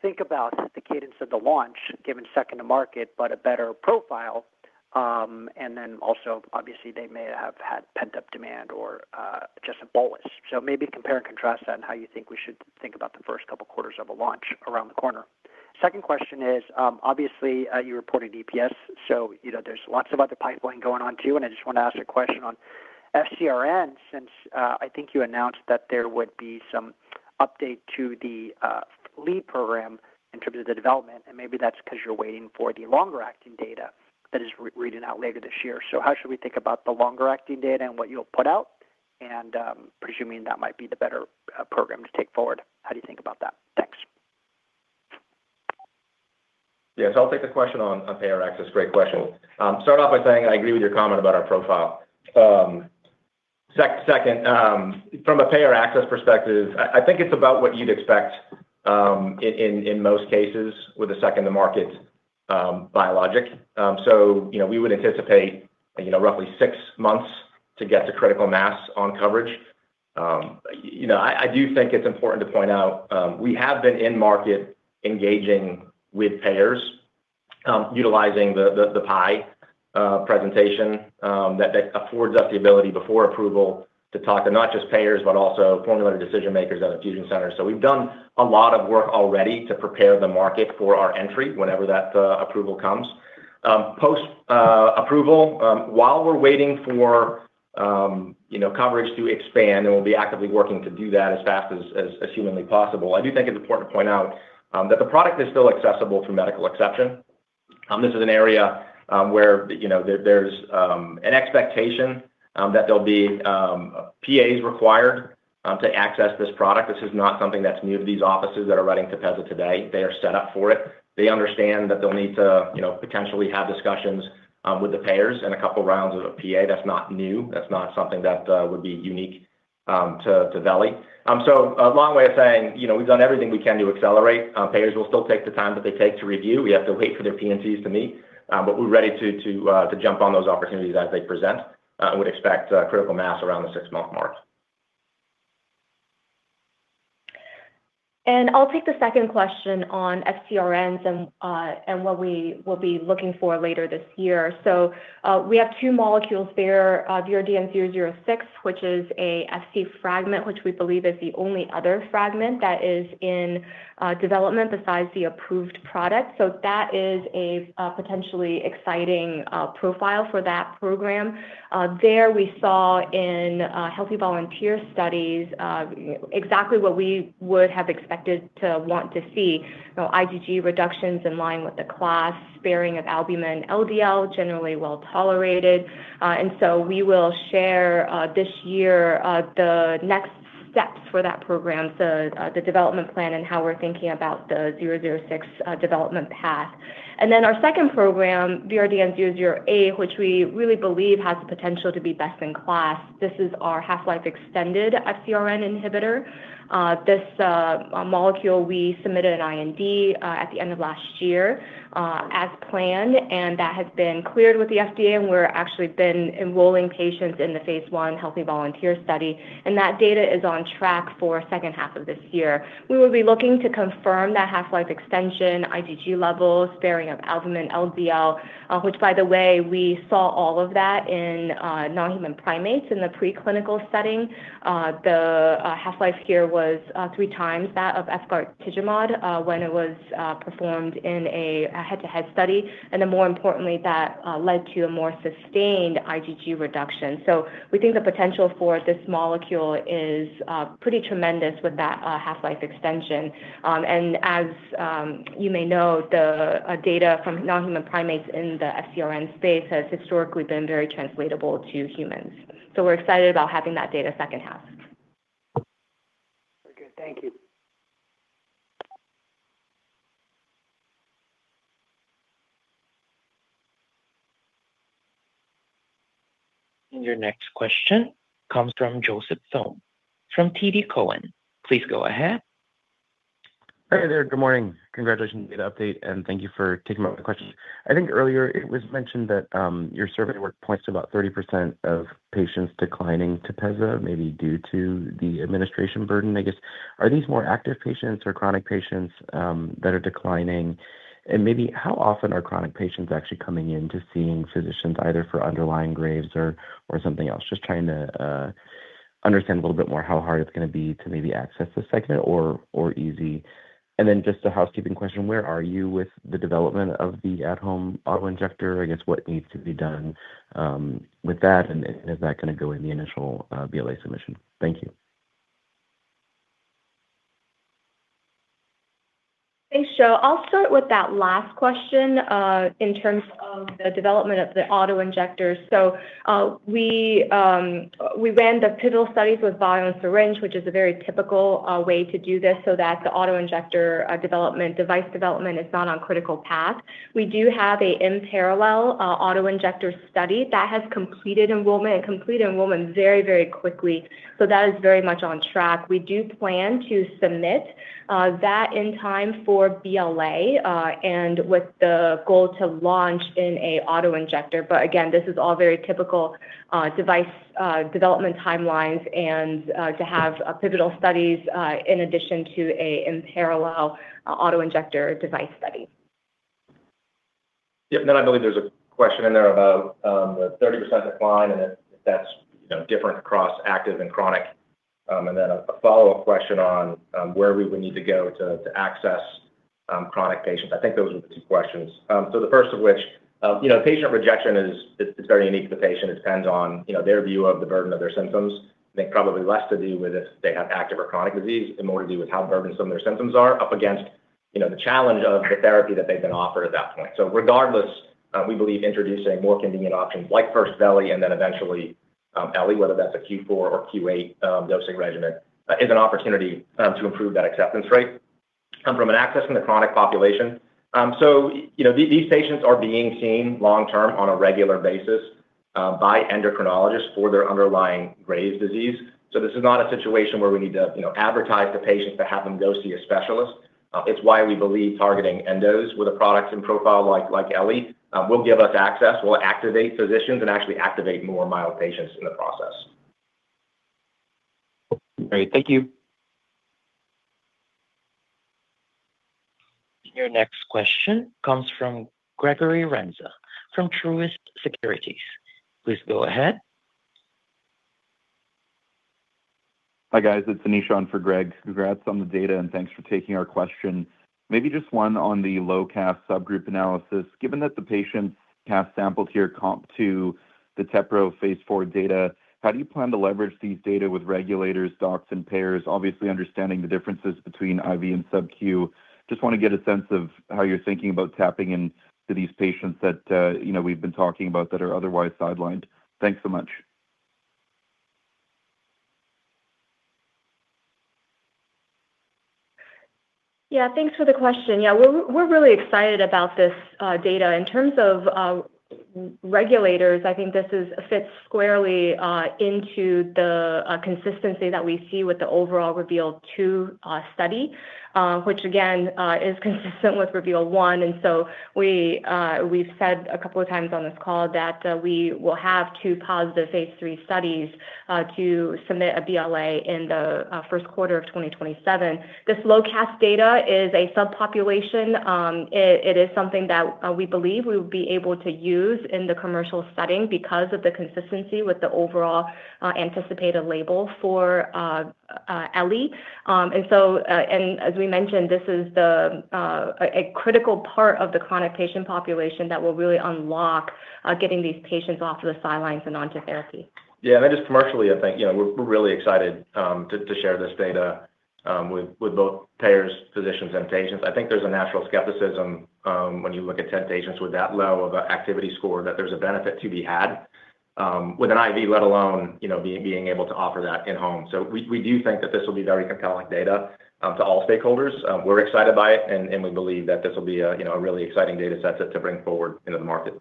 think about the cadence of the launch given second to market, but a better profile. Also obviously they may have had pent-up demand or just a bolus. Maybe compare and contrast that and how you think we should think about the first couple quarters of a launch around the corner. Second question is, obviously, you reported EPS, you know, there's lots of other pipeline going on too. I just want to ask a question on FcRn since, I think you announced that there would be some update to the lead program in terms of the development, and maybe that's 'cause you're waiting for the longer acting data that is re-reading out later this year. How should we think about the longer acting data and what you'll put out and, presuming that might be the better program to take forward? How do you think about that? Thanks. Yes, I'll take the question on payer access. Great question. Start off by saying I agree with your comment about our profile. Second, from a payer access perspective, I think it's about what you'd expect in most cases with a second to market biologic. You know, we would anticipate, you know, roughly six months to get to critical mass on coverage. You know, I do think it's important to point out, we have been in market engaging with payers, utilizing the pie presentation that affords us the ability before approval to talk to not just payers, but also formulary decision makers at infusion centers. We've done a lot of work already to prepare the market for our entry whenever that approval comes. Post approval, while we're waiting for, you know, coverage to expand, and we'll be actively working to do that as fast as humanly possible, I do think it's important to point out that the product is still accessible through medical exception. This is an area where, you know, there's an expectation that there'll be PAs required to access this product. This is not something that's new to these offices that are running TEPEZZA today. They are set up for it. They understand that they'll need to, you know, potentially have discussions with the payers and a couple rounds of a PA. That's not new. That's not something that would be unique to Veli. A long way of saying, you know, we've done everything we can to accelerate. Payers will still take the time that they take to review. We have to wait for their P&Ts to meet. We're ready to jump on those opportunities as they present and would expect critical mass around the six-month mark. I'll take the second question on FcRns and what we will be looking for later this year. We have two molecules there, VRDN-006, which is a Fc fragment, which we believe is the only other fragment that is in development besides the approved product. That is a potentially exciting profile for that program. There we saw in healthy volunteer studies exactly what we would have expected to want to see. You know, IgG reductions in line with the class, sparing of albumin, LDL, generally well-tolerated. We will share this year the nextsteps for that program. The development plan and how we're thinking about the 006 development path. Our second program, VRDN-008, which we really believe has the potential to be best-in-class. This is our half-life extended FcRn inhibitor. This molecule we submitted an IND at the end of last year, as planned, and that has been cleared with the FDA, and we're actually been enrolling patients in the phase I healthy volunteer study. That data is on track for H2 of this year. We will be looking to confirm that half-life extension, IgG levels, sparing of albumin, LDL, which by the way, we saw all of that in non-human primates in the preclinical setting. The half-life here was three times that of efgartigimod when it was performed in a head-to-head study. More importantly, that led to a more sustained IgG reduction. We think the potential for this molecule is pretty tremendous with that half-life extension. As you may know, the data from non-human primates in the FcRn space has historically been very translatable to humans. We're excited about having that data H2. Very good. Thank you. Your next question comes from Joseph Schwartz from TD Cowen. Please go ahead. Hi there. Good morning. Congratulations on the update. Thank you for taking my question. I think earlier it was mentioned that your survey work points to about 30% of patients declining TEPEZZA, maybe due to the administration burden. I guess, are these more active patients or chronic patients that are declining? Maybe how often are chronic patients actually coming in to seeing physicians either for underlying Graves' or something else? Just trying to understand a little bit more how hard it's gonna be to maybe access this segment or easy. Just a housekeeping question. Where are you with the development of the at-home auto-injector? I guess, what needs to be done with that, and is that gonna go in the initial BLA submission? Thank you. Thanks, Joe. I'll start with that last question, in terms of the development of the auto-injectors. We ran the pivotal studies with vial and syringe, which is a very typical way to do this so that the auto-injector development, device development is not on critical path. We do have a in parallel auto-injector study that has completed enrollment very, very quickly. That is very much on track. We do plan to submit that in time for BLA, and with the goal to launch in a auto-injector. Again, this is all very typical device development timelines and to have pivotal studies in addition to a in parallel auto-injector device study. Yeah. I believe there's a question in there about the 30% decline and if that's, you know, different across active and chronic. Then a follow-up question on where we would need to go to access chronic patients. I think those were the two questions. The first of which, you know, patient rejection it's very unique to the patient. It depends on, you know, their view of the burden of their symptoms. I think probably less to do with if they have active or chronic disease and more to do with how burdensome their symptoms are up against, you know, the challenge of the therapy that they've been offered at that point. Regardless, we believe introducing more convenient options like first veli and then eventually, veli, whether that's a Q4 or Q8 dosing regimen, is an opportunity to improve that acceptance rate. From an accessing the chronic population. You know, these patients are being seen long-term on a regular basis by endocrinologists for their underlying Graves' disease. This is not a situation where we need to, you know, advertise to patients to have them go see a specialist. It's why we believe targeting endos with a product and profile like veli will give us access, will activate physicians, and actually activate more mild patients in the process. Great. Thank you. Your next question comes from Gregory Renza from Truist Securities. Please go ahead. Hi, guys. It's Anish on for Greg. Congrats on the data. Thanks for taking our question. Maybe just one on the low subgroup analysis. Given that the patient subgroup samples here comp to the TEPEZZA phase IV data, how do you plan to leverage these data with regulators, docs, and payers? Obviously, understanding the differences between IV and sub Q. Just wanna get a sense of how you're thinking about tapping into these patients that, you know, we've been talking about that are otherwise sidelined. Thanks so much. Yeah. Thanks for the question. Yeah. We're really excited about this data. In terms of regulators, I think this fits squarely into the consistency that we see with the overall REVEAL-2 study, which again, is consistent with REVEAL-1. We've said a couple of times on this call that we will have two positive phase III studies to submit a BLA in the Q1 of 2027. This low subgroup data is a subpopulation. It is something that we believe we will be able to use in the commercial setting because of the consistency with the overall anticipated label for veli. As we mentioned, this is a critical part of the chronic patient population that will really unlock getting these patients off of the sidelines and onto therapy. Yeah. Then just commercially, I think, you know, we're really excited, to share this data, with both payers, physicians and patients. I think there's a natural skepticism, when you look at TED patients with that low of a activity score, that there's a benefit to be had, with an IV, let alone, you know, being able to offer that in-home. We do think that this will be very compelling data, to all stakeholders. We're excited by it and we believe that this will be a, you know, a really exciting data set to bring forward into the market.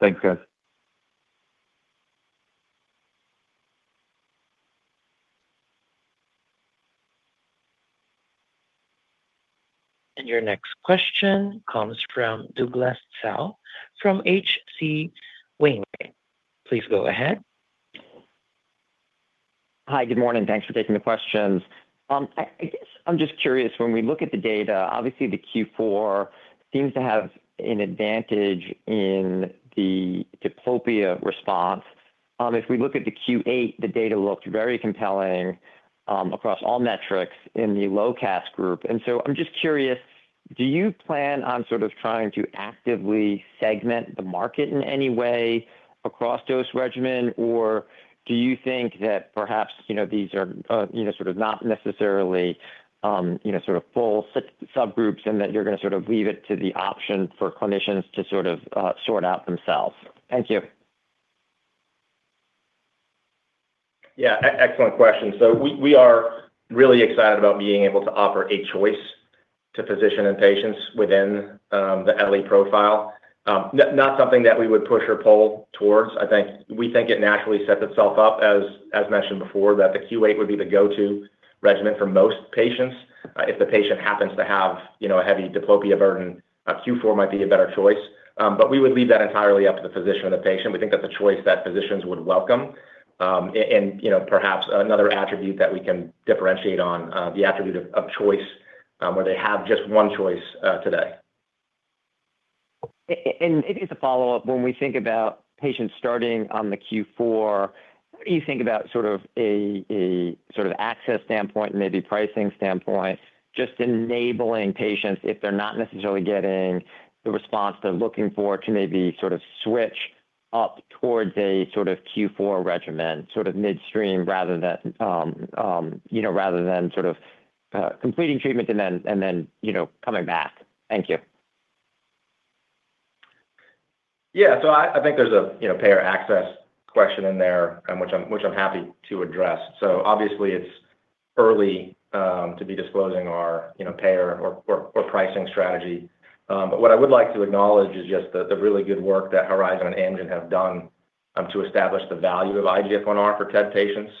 Thanks, guys. Your next question comes from Douglas Tsao from H.C. Wainwright. Please go ahead. Hi, good morning. Thanks for taking the questions. I guess I'm just curious, when we look at the data, obviously the Q4 seems to have an advantage in the diplopia response. If we look at the Q8, the data looked very compelling across all metrics in the low-CAS group. I'm just curious, do you plan on sort of trying to actively segment the market in any way across dose regimen? Do you think that perhaps, you know, these are, you know, sort of not necessarily, you know, sort of full subgroups and that you're gonna sort of leave it to the option for clinicians to sort of sort out themselves? Thank you. Excellent question. We are really excited about being able to offer a choice to physician and patients within the veli profile. Not something that we would push or pull towards. We think it naturally sets itself up as mentioned before, that the Q8 would be the go-to regimen for most patients. If the patient happens to have, you know, a heavy diplopia burden, Q4 might be a better choice. We would leave that entirely up to the physician and the patient. We think that's a choice that physicians would welcome. You know, perhaps another attribute that we can differentiate on the attribute of choice, where they have just one choice today. Maybe as a follow-up, when we think about patients starting on the Q4, what do you think about a sort of access standpoint, maybe pricing standpoint, just enabling patients if they're not necessarily getting the response they're looking for to maybe sort of switch up towards a sort of Q4 regimen sort of midstream rather than, you know, rather than sort of completing treatment and then, you know, coming back? Thank you. Yeah. I think there's a, you know, payer access question in there, which I'm happy to address. Obviously it's early to be disclosing our, you know, payer or pricing strategy. What I would like to acknowledge is just the really good work that Horizon and Amgen have done to establish the value of IGF-1R for TED patients.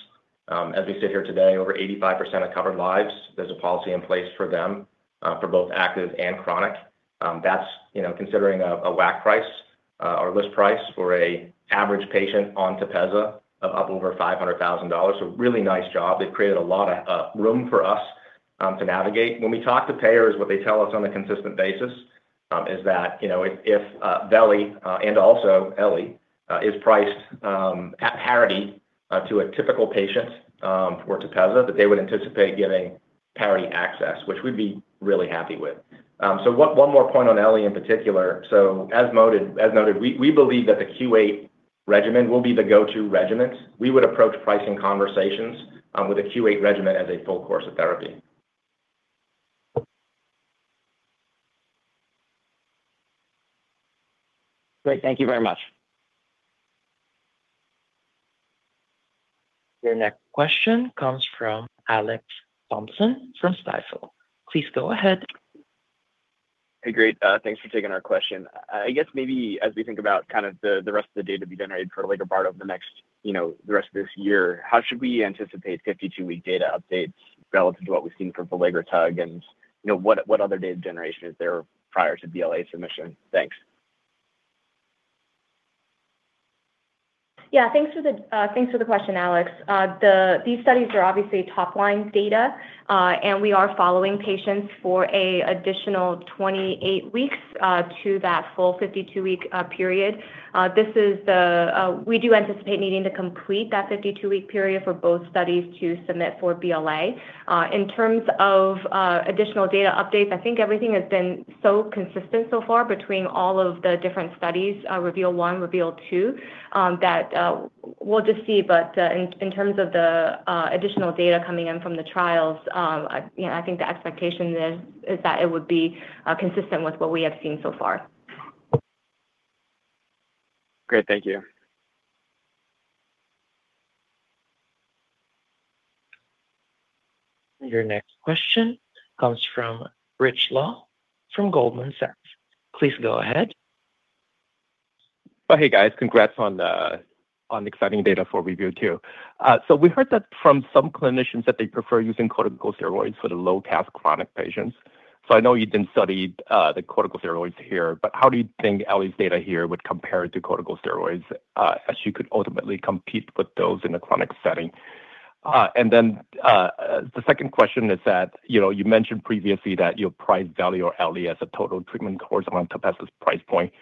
As we sit here today, over 85% of covered lives, there's a policy in place for them for both active and chronic. That's, you know, considering a WAC price or list price for an average patient on TEPEZZA of over $500,000. A really nice job. They've created a lot of room for us to navigate. When we talk to payers, what they tell us on a consistent basis, you know, if, veli, and also Ellie, is priced at parity to a typical patient for TEPEZZA, that they would anticipate giving parity access, which we'd be really happy with. One more point on Ellie in particular. As noted, we believe that the Q8 regimen will be the go-to regimen. We would approach pricing conversations with a Q8 regimen as a full course of therapy. Great. Thank you very much. Your next question comes from Alex Thompson from Stifel. Please go ahead. Hey, great. Thanks for taking our question. I guess maybe as we think about kind of the rest of the data to be generated for elegrobart over the next, you know, the rest of this year, how should we anticipate 52-week data updates relative to what we've seen for veligrotug? What other data generation is there prior to BLA submission? Thanks. Thanks for the question, Alex. These studies are obviously top line data, and we are following patients for a additional 28 weeks to that full 52-week period. We do anticipate needing to complete that 52-week period for both studies to submit for BLA. In terms of additional data updates, I think everything has been so consistent so far between all of the different studies, REVEAL-1, REVEAL-2, that we'll just see. In terms of the additional data coming in from the trials, you know, I think the expectation is that it would be consistent with what we have seen so far. Great. Thank you. Your next question comes from Rich Law from Goldman Sachs. Please go ahead. Oh, hey guys. Congrats on the exciting data for REVEAL-2. We heard that from some clinicians that they prefer using corticosteroids for the low CAS chronic patients. I know you didn't study the corticosteroids here, but how do you think veli's data here would compare to corticosteroids as you could ultimately compete with those in a chronic setting? The second question is that, you know, you mentioned previously that you'll price value or veli as a total treatment course around TEPEZZA's price point.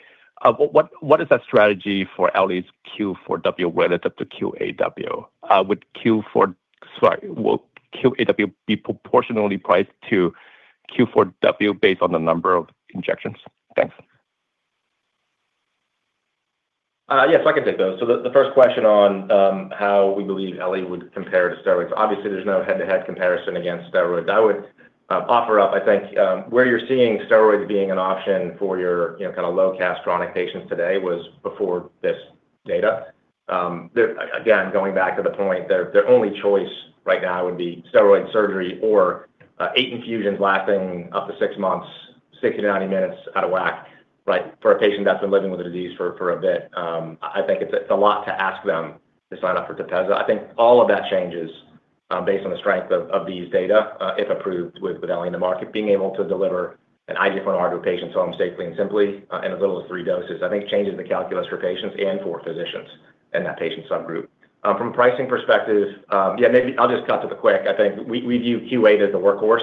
What is that strategy for veli's Q4W relative to Q8W? Will Q8W be proportionally priced to Q4W based on the number of injections? Thanks. Yes, I can take those. The first question on how we believe veli would compare to steroids. Obviously, there's no head-to-head comparison against steroids. I would offer up, I think, where you're seeing steroids being an option for your, you know, kind of low cast chronic patients today was before this data. Again, going back to the point, their only choice right now would be steroid surgery or eight infusions lasting up to six months, 60 to 90 minutes out of whack, right? For a patient that's been living with a disease for a bit, I think it's a lot to ask them to sign up for TEPEZZA. I think all of that changes, based on the strength of these data, if approved with veli in the market, being able to deliver an IGF-1R to a patient so safely and simply in as little as three doses, I think changes the calculus for patients and for physicians in that patient subgroup. From a pricing perspective, maybe I'll just cut to the quick. I think we view Q8 as the workhorse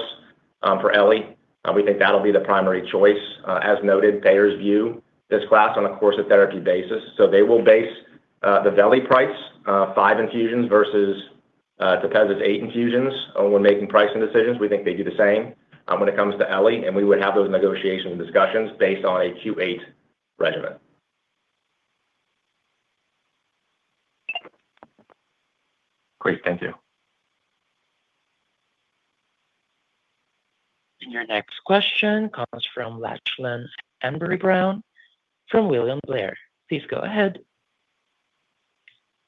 for veli. We think that'll be the primary choice. As noted, payers view this class on a course of therapy basis. They will base the veli price, five infusions versus TEPEZZA's 8 infusions when making pricing decisions. We think they do the same when it comes to veli, and we would have those negotiations and discussions based on a Q8 regimen. Great. Thank you. Your next question comes from Lachlan Hanbury-Brown from William Blair. Please go ahead.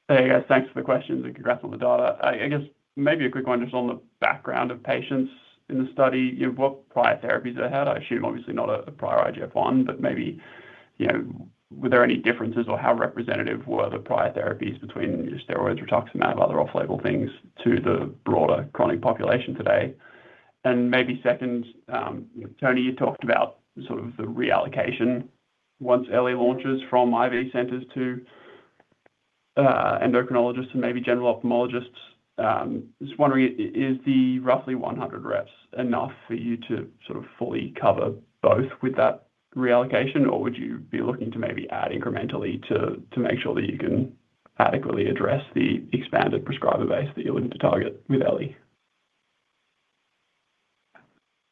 Hey, guys. Thanks for the questions and congrats on the data. I guess maybe a quick one just on the background of patients in the study. You know, what prior therapies they had. I assume obviously not a prior IGF-1R, but maybe, you know, were there any differences or how representative were the prior therapies between steroids, rituximab, other off-label things to the broader chronic population today? Maybe second, Tony, you talked about sort of the reallocation once veli launches from IV centers to endocrinologists and maybe general ophthalmologists. Just wondering, is the roughly 100 reps enough for you to sort of fully cover both with that reallocation? Or would you be looking to maybe add incrementally to make sure that you can adequately address the expanded prescriber base that you're looking to target with veli?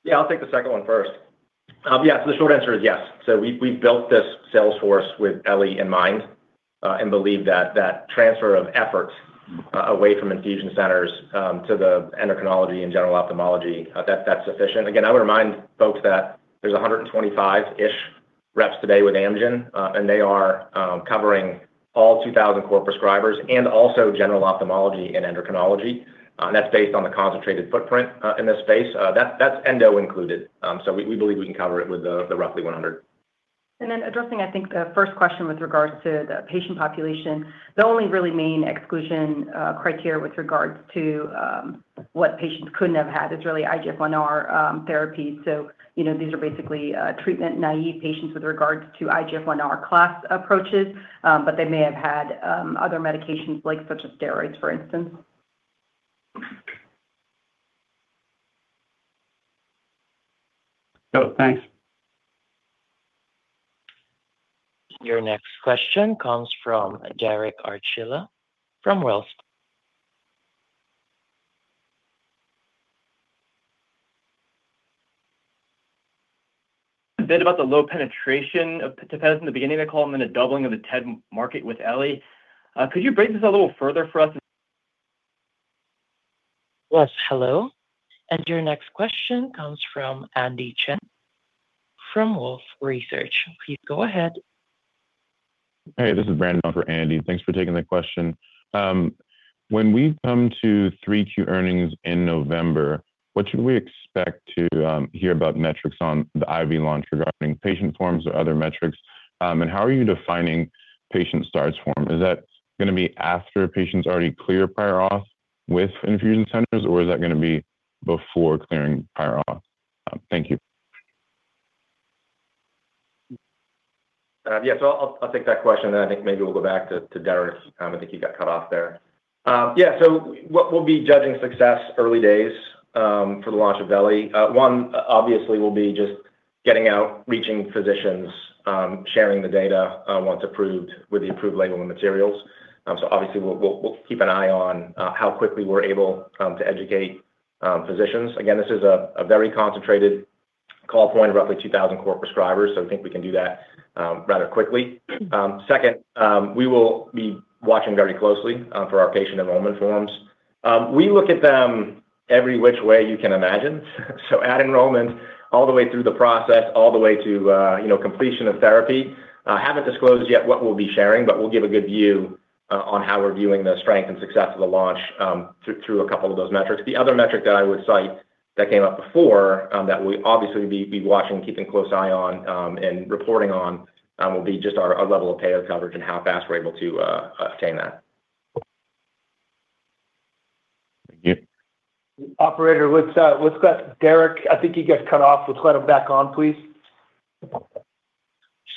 Yeah, I'll take the second one first. Yeah. The short answer is yes. We built this sales force with veli in mind, and believe that that transfer of effort away from infusion centers, to the endocrinology and general ophthalmology, that's sufficient. Again, I would remind folks that there's 125-ish reps today with Amgen, and they are covering all 2,000 core prescribers and also general ophthalmology and endocrinology. That's based on the concentrated footprint in this space. That's endo included. We believe we can cover it with the roughly 100. Addressing, I think, the first question with regards to the patient population. The only really main exclusion criteria with regards to what patients couldn't have had is really IGF-1R therapy. You know, these are basically treatment-naive patients with regards to IGF-1R class approaches. They may have had other medications like such as steroids, for instance. Oh, thanks. Your next question comes from Derek Archila from Wells. A bit about the low penetration of TEPEZZA in the beginning of the call and then a doubling of the TED market with veli. Could you break this a little further for us? Yes. Hello, your next question comes from Andy Chen from Wolfe Research. Please go ahead. Hey, this is Brandon for Andy. Thanks for taking the question. When we come to 3Q earnings in November, what should we expect to hear about metrics on the IV launch regarding patient forms or other metrics? How are you defining patient starts form? Is that gonna be after a patient's already clear prior auth with infusion centers, or is that gonna be before clearing prior auth? Thank you. Yes. I'll take that question. I think maybe we'll go back to Derek. I think he got cut off there. Yes. We'll be judging success early days for the launch of veli. One, obviously, will be just getting out, reaching physicians, sharing the data once approved with the approved labeling materials. So obviously, we'll keep an eye on how quickly we're able to educate physicians. Again, this is a very concentrated call point, roughly 2,000 core prescribers, so I think we can do that rather quickly. Second, we will be watching very closely for our patient enrollment forms. We look at them every which way you can imagine. At enrollment all the way through the process, all the way to, you know, completion of therapy. Haven't disclosed yet what we'll be sharing, but we'll give a good view on how we're viewing the strength and success of the launch, through a couple of those metrics. The other metric that I would cite that came up before, that we'll obviously be watching, keeping close eye on, and reporting on, will be just our level of payer coverage and how fast we're able to attain that. Thank you. Operator, let's get Derek. I think he got cut off. Let's let him back on, please.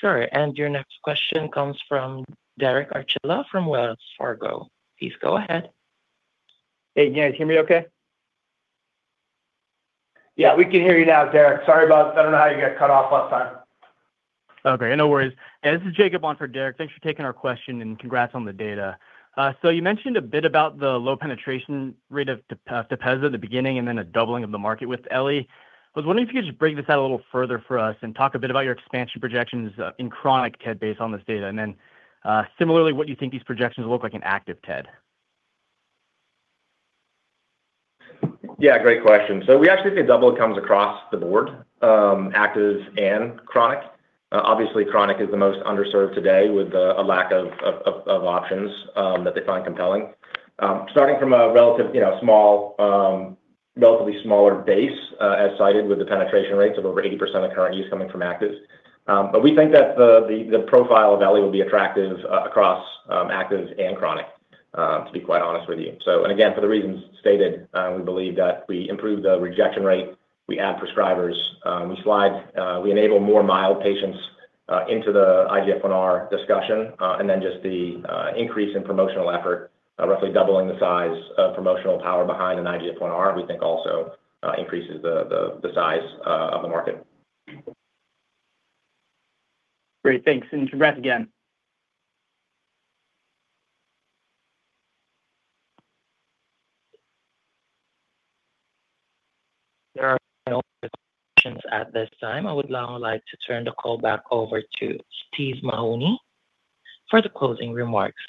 Sure. Your next question comes from Derek Archila from Wells Fargo. Please go ahead. Hey, can you guys hear me okay? Yeah, we can hear you now, Derek. Sorry about I don't know how you got cut off last time. Okay. No worries. This is Jacob on for Derek. Thanks for taking our question, and congrats on the data. You mentioned a bit about the low penetration rate of Tepezza at the beginning and then a doubling of the market with veli. I was wondering if you could just break this out a little further for us and talk a bit about your expansion projections in chronic TED based on this data. Similarly, what you think these projections look like in active TED? Yeah, great question. We actually see a double-digit across the board, actives and chronic. Obviously chronic is the most underserved today with a lack of options that they find compelling. Starting from a relative, you know, small, relatively smaller base, as cited with the penetration rates of over 80% of current use coming from actives. We think that the profile of Ellay will be attractive across, actives and chronic, to be quite honest with you. Again, for the reasons stated, we believe that we improve the rejection rate, we add prescribers, we slide, we enable more mild patients into the IGF-1R discussion. Just the increase in promotional effort, roughly doubling the size of promotional power behind an IGF-1R, we think also increases the size of the market. Great. Thanks. To Brett again. There are no more questions at this time. I would now like to turn the call back over to Steve Mahoney for the closing remarks.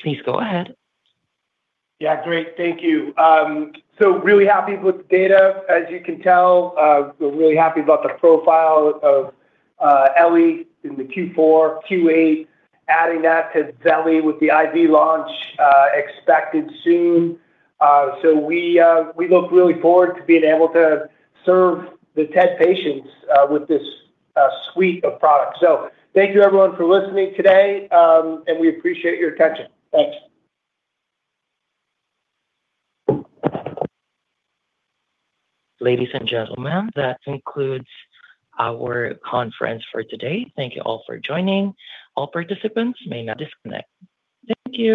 Please go ahead. Yeah, great. Thank you. Really happy with the data. As you can tell, we're really happy about the profile of Ellay in the Q4, Q8, adding that to veli with the IV launch expected soon. We look really forward to being able to serve the TED patients with this suite of products. Thank you everyone for listening today, we appreciate your attention. Thanks. Ladies and gentlemen, that concludes our conference for today. Thank you all for joining. All participants may now disconnect. Thank you.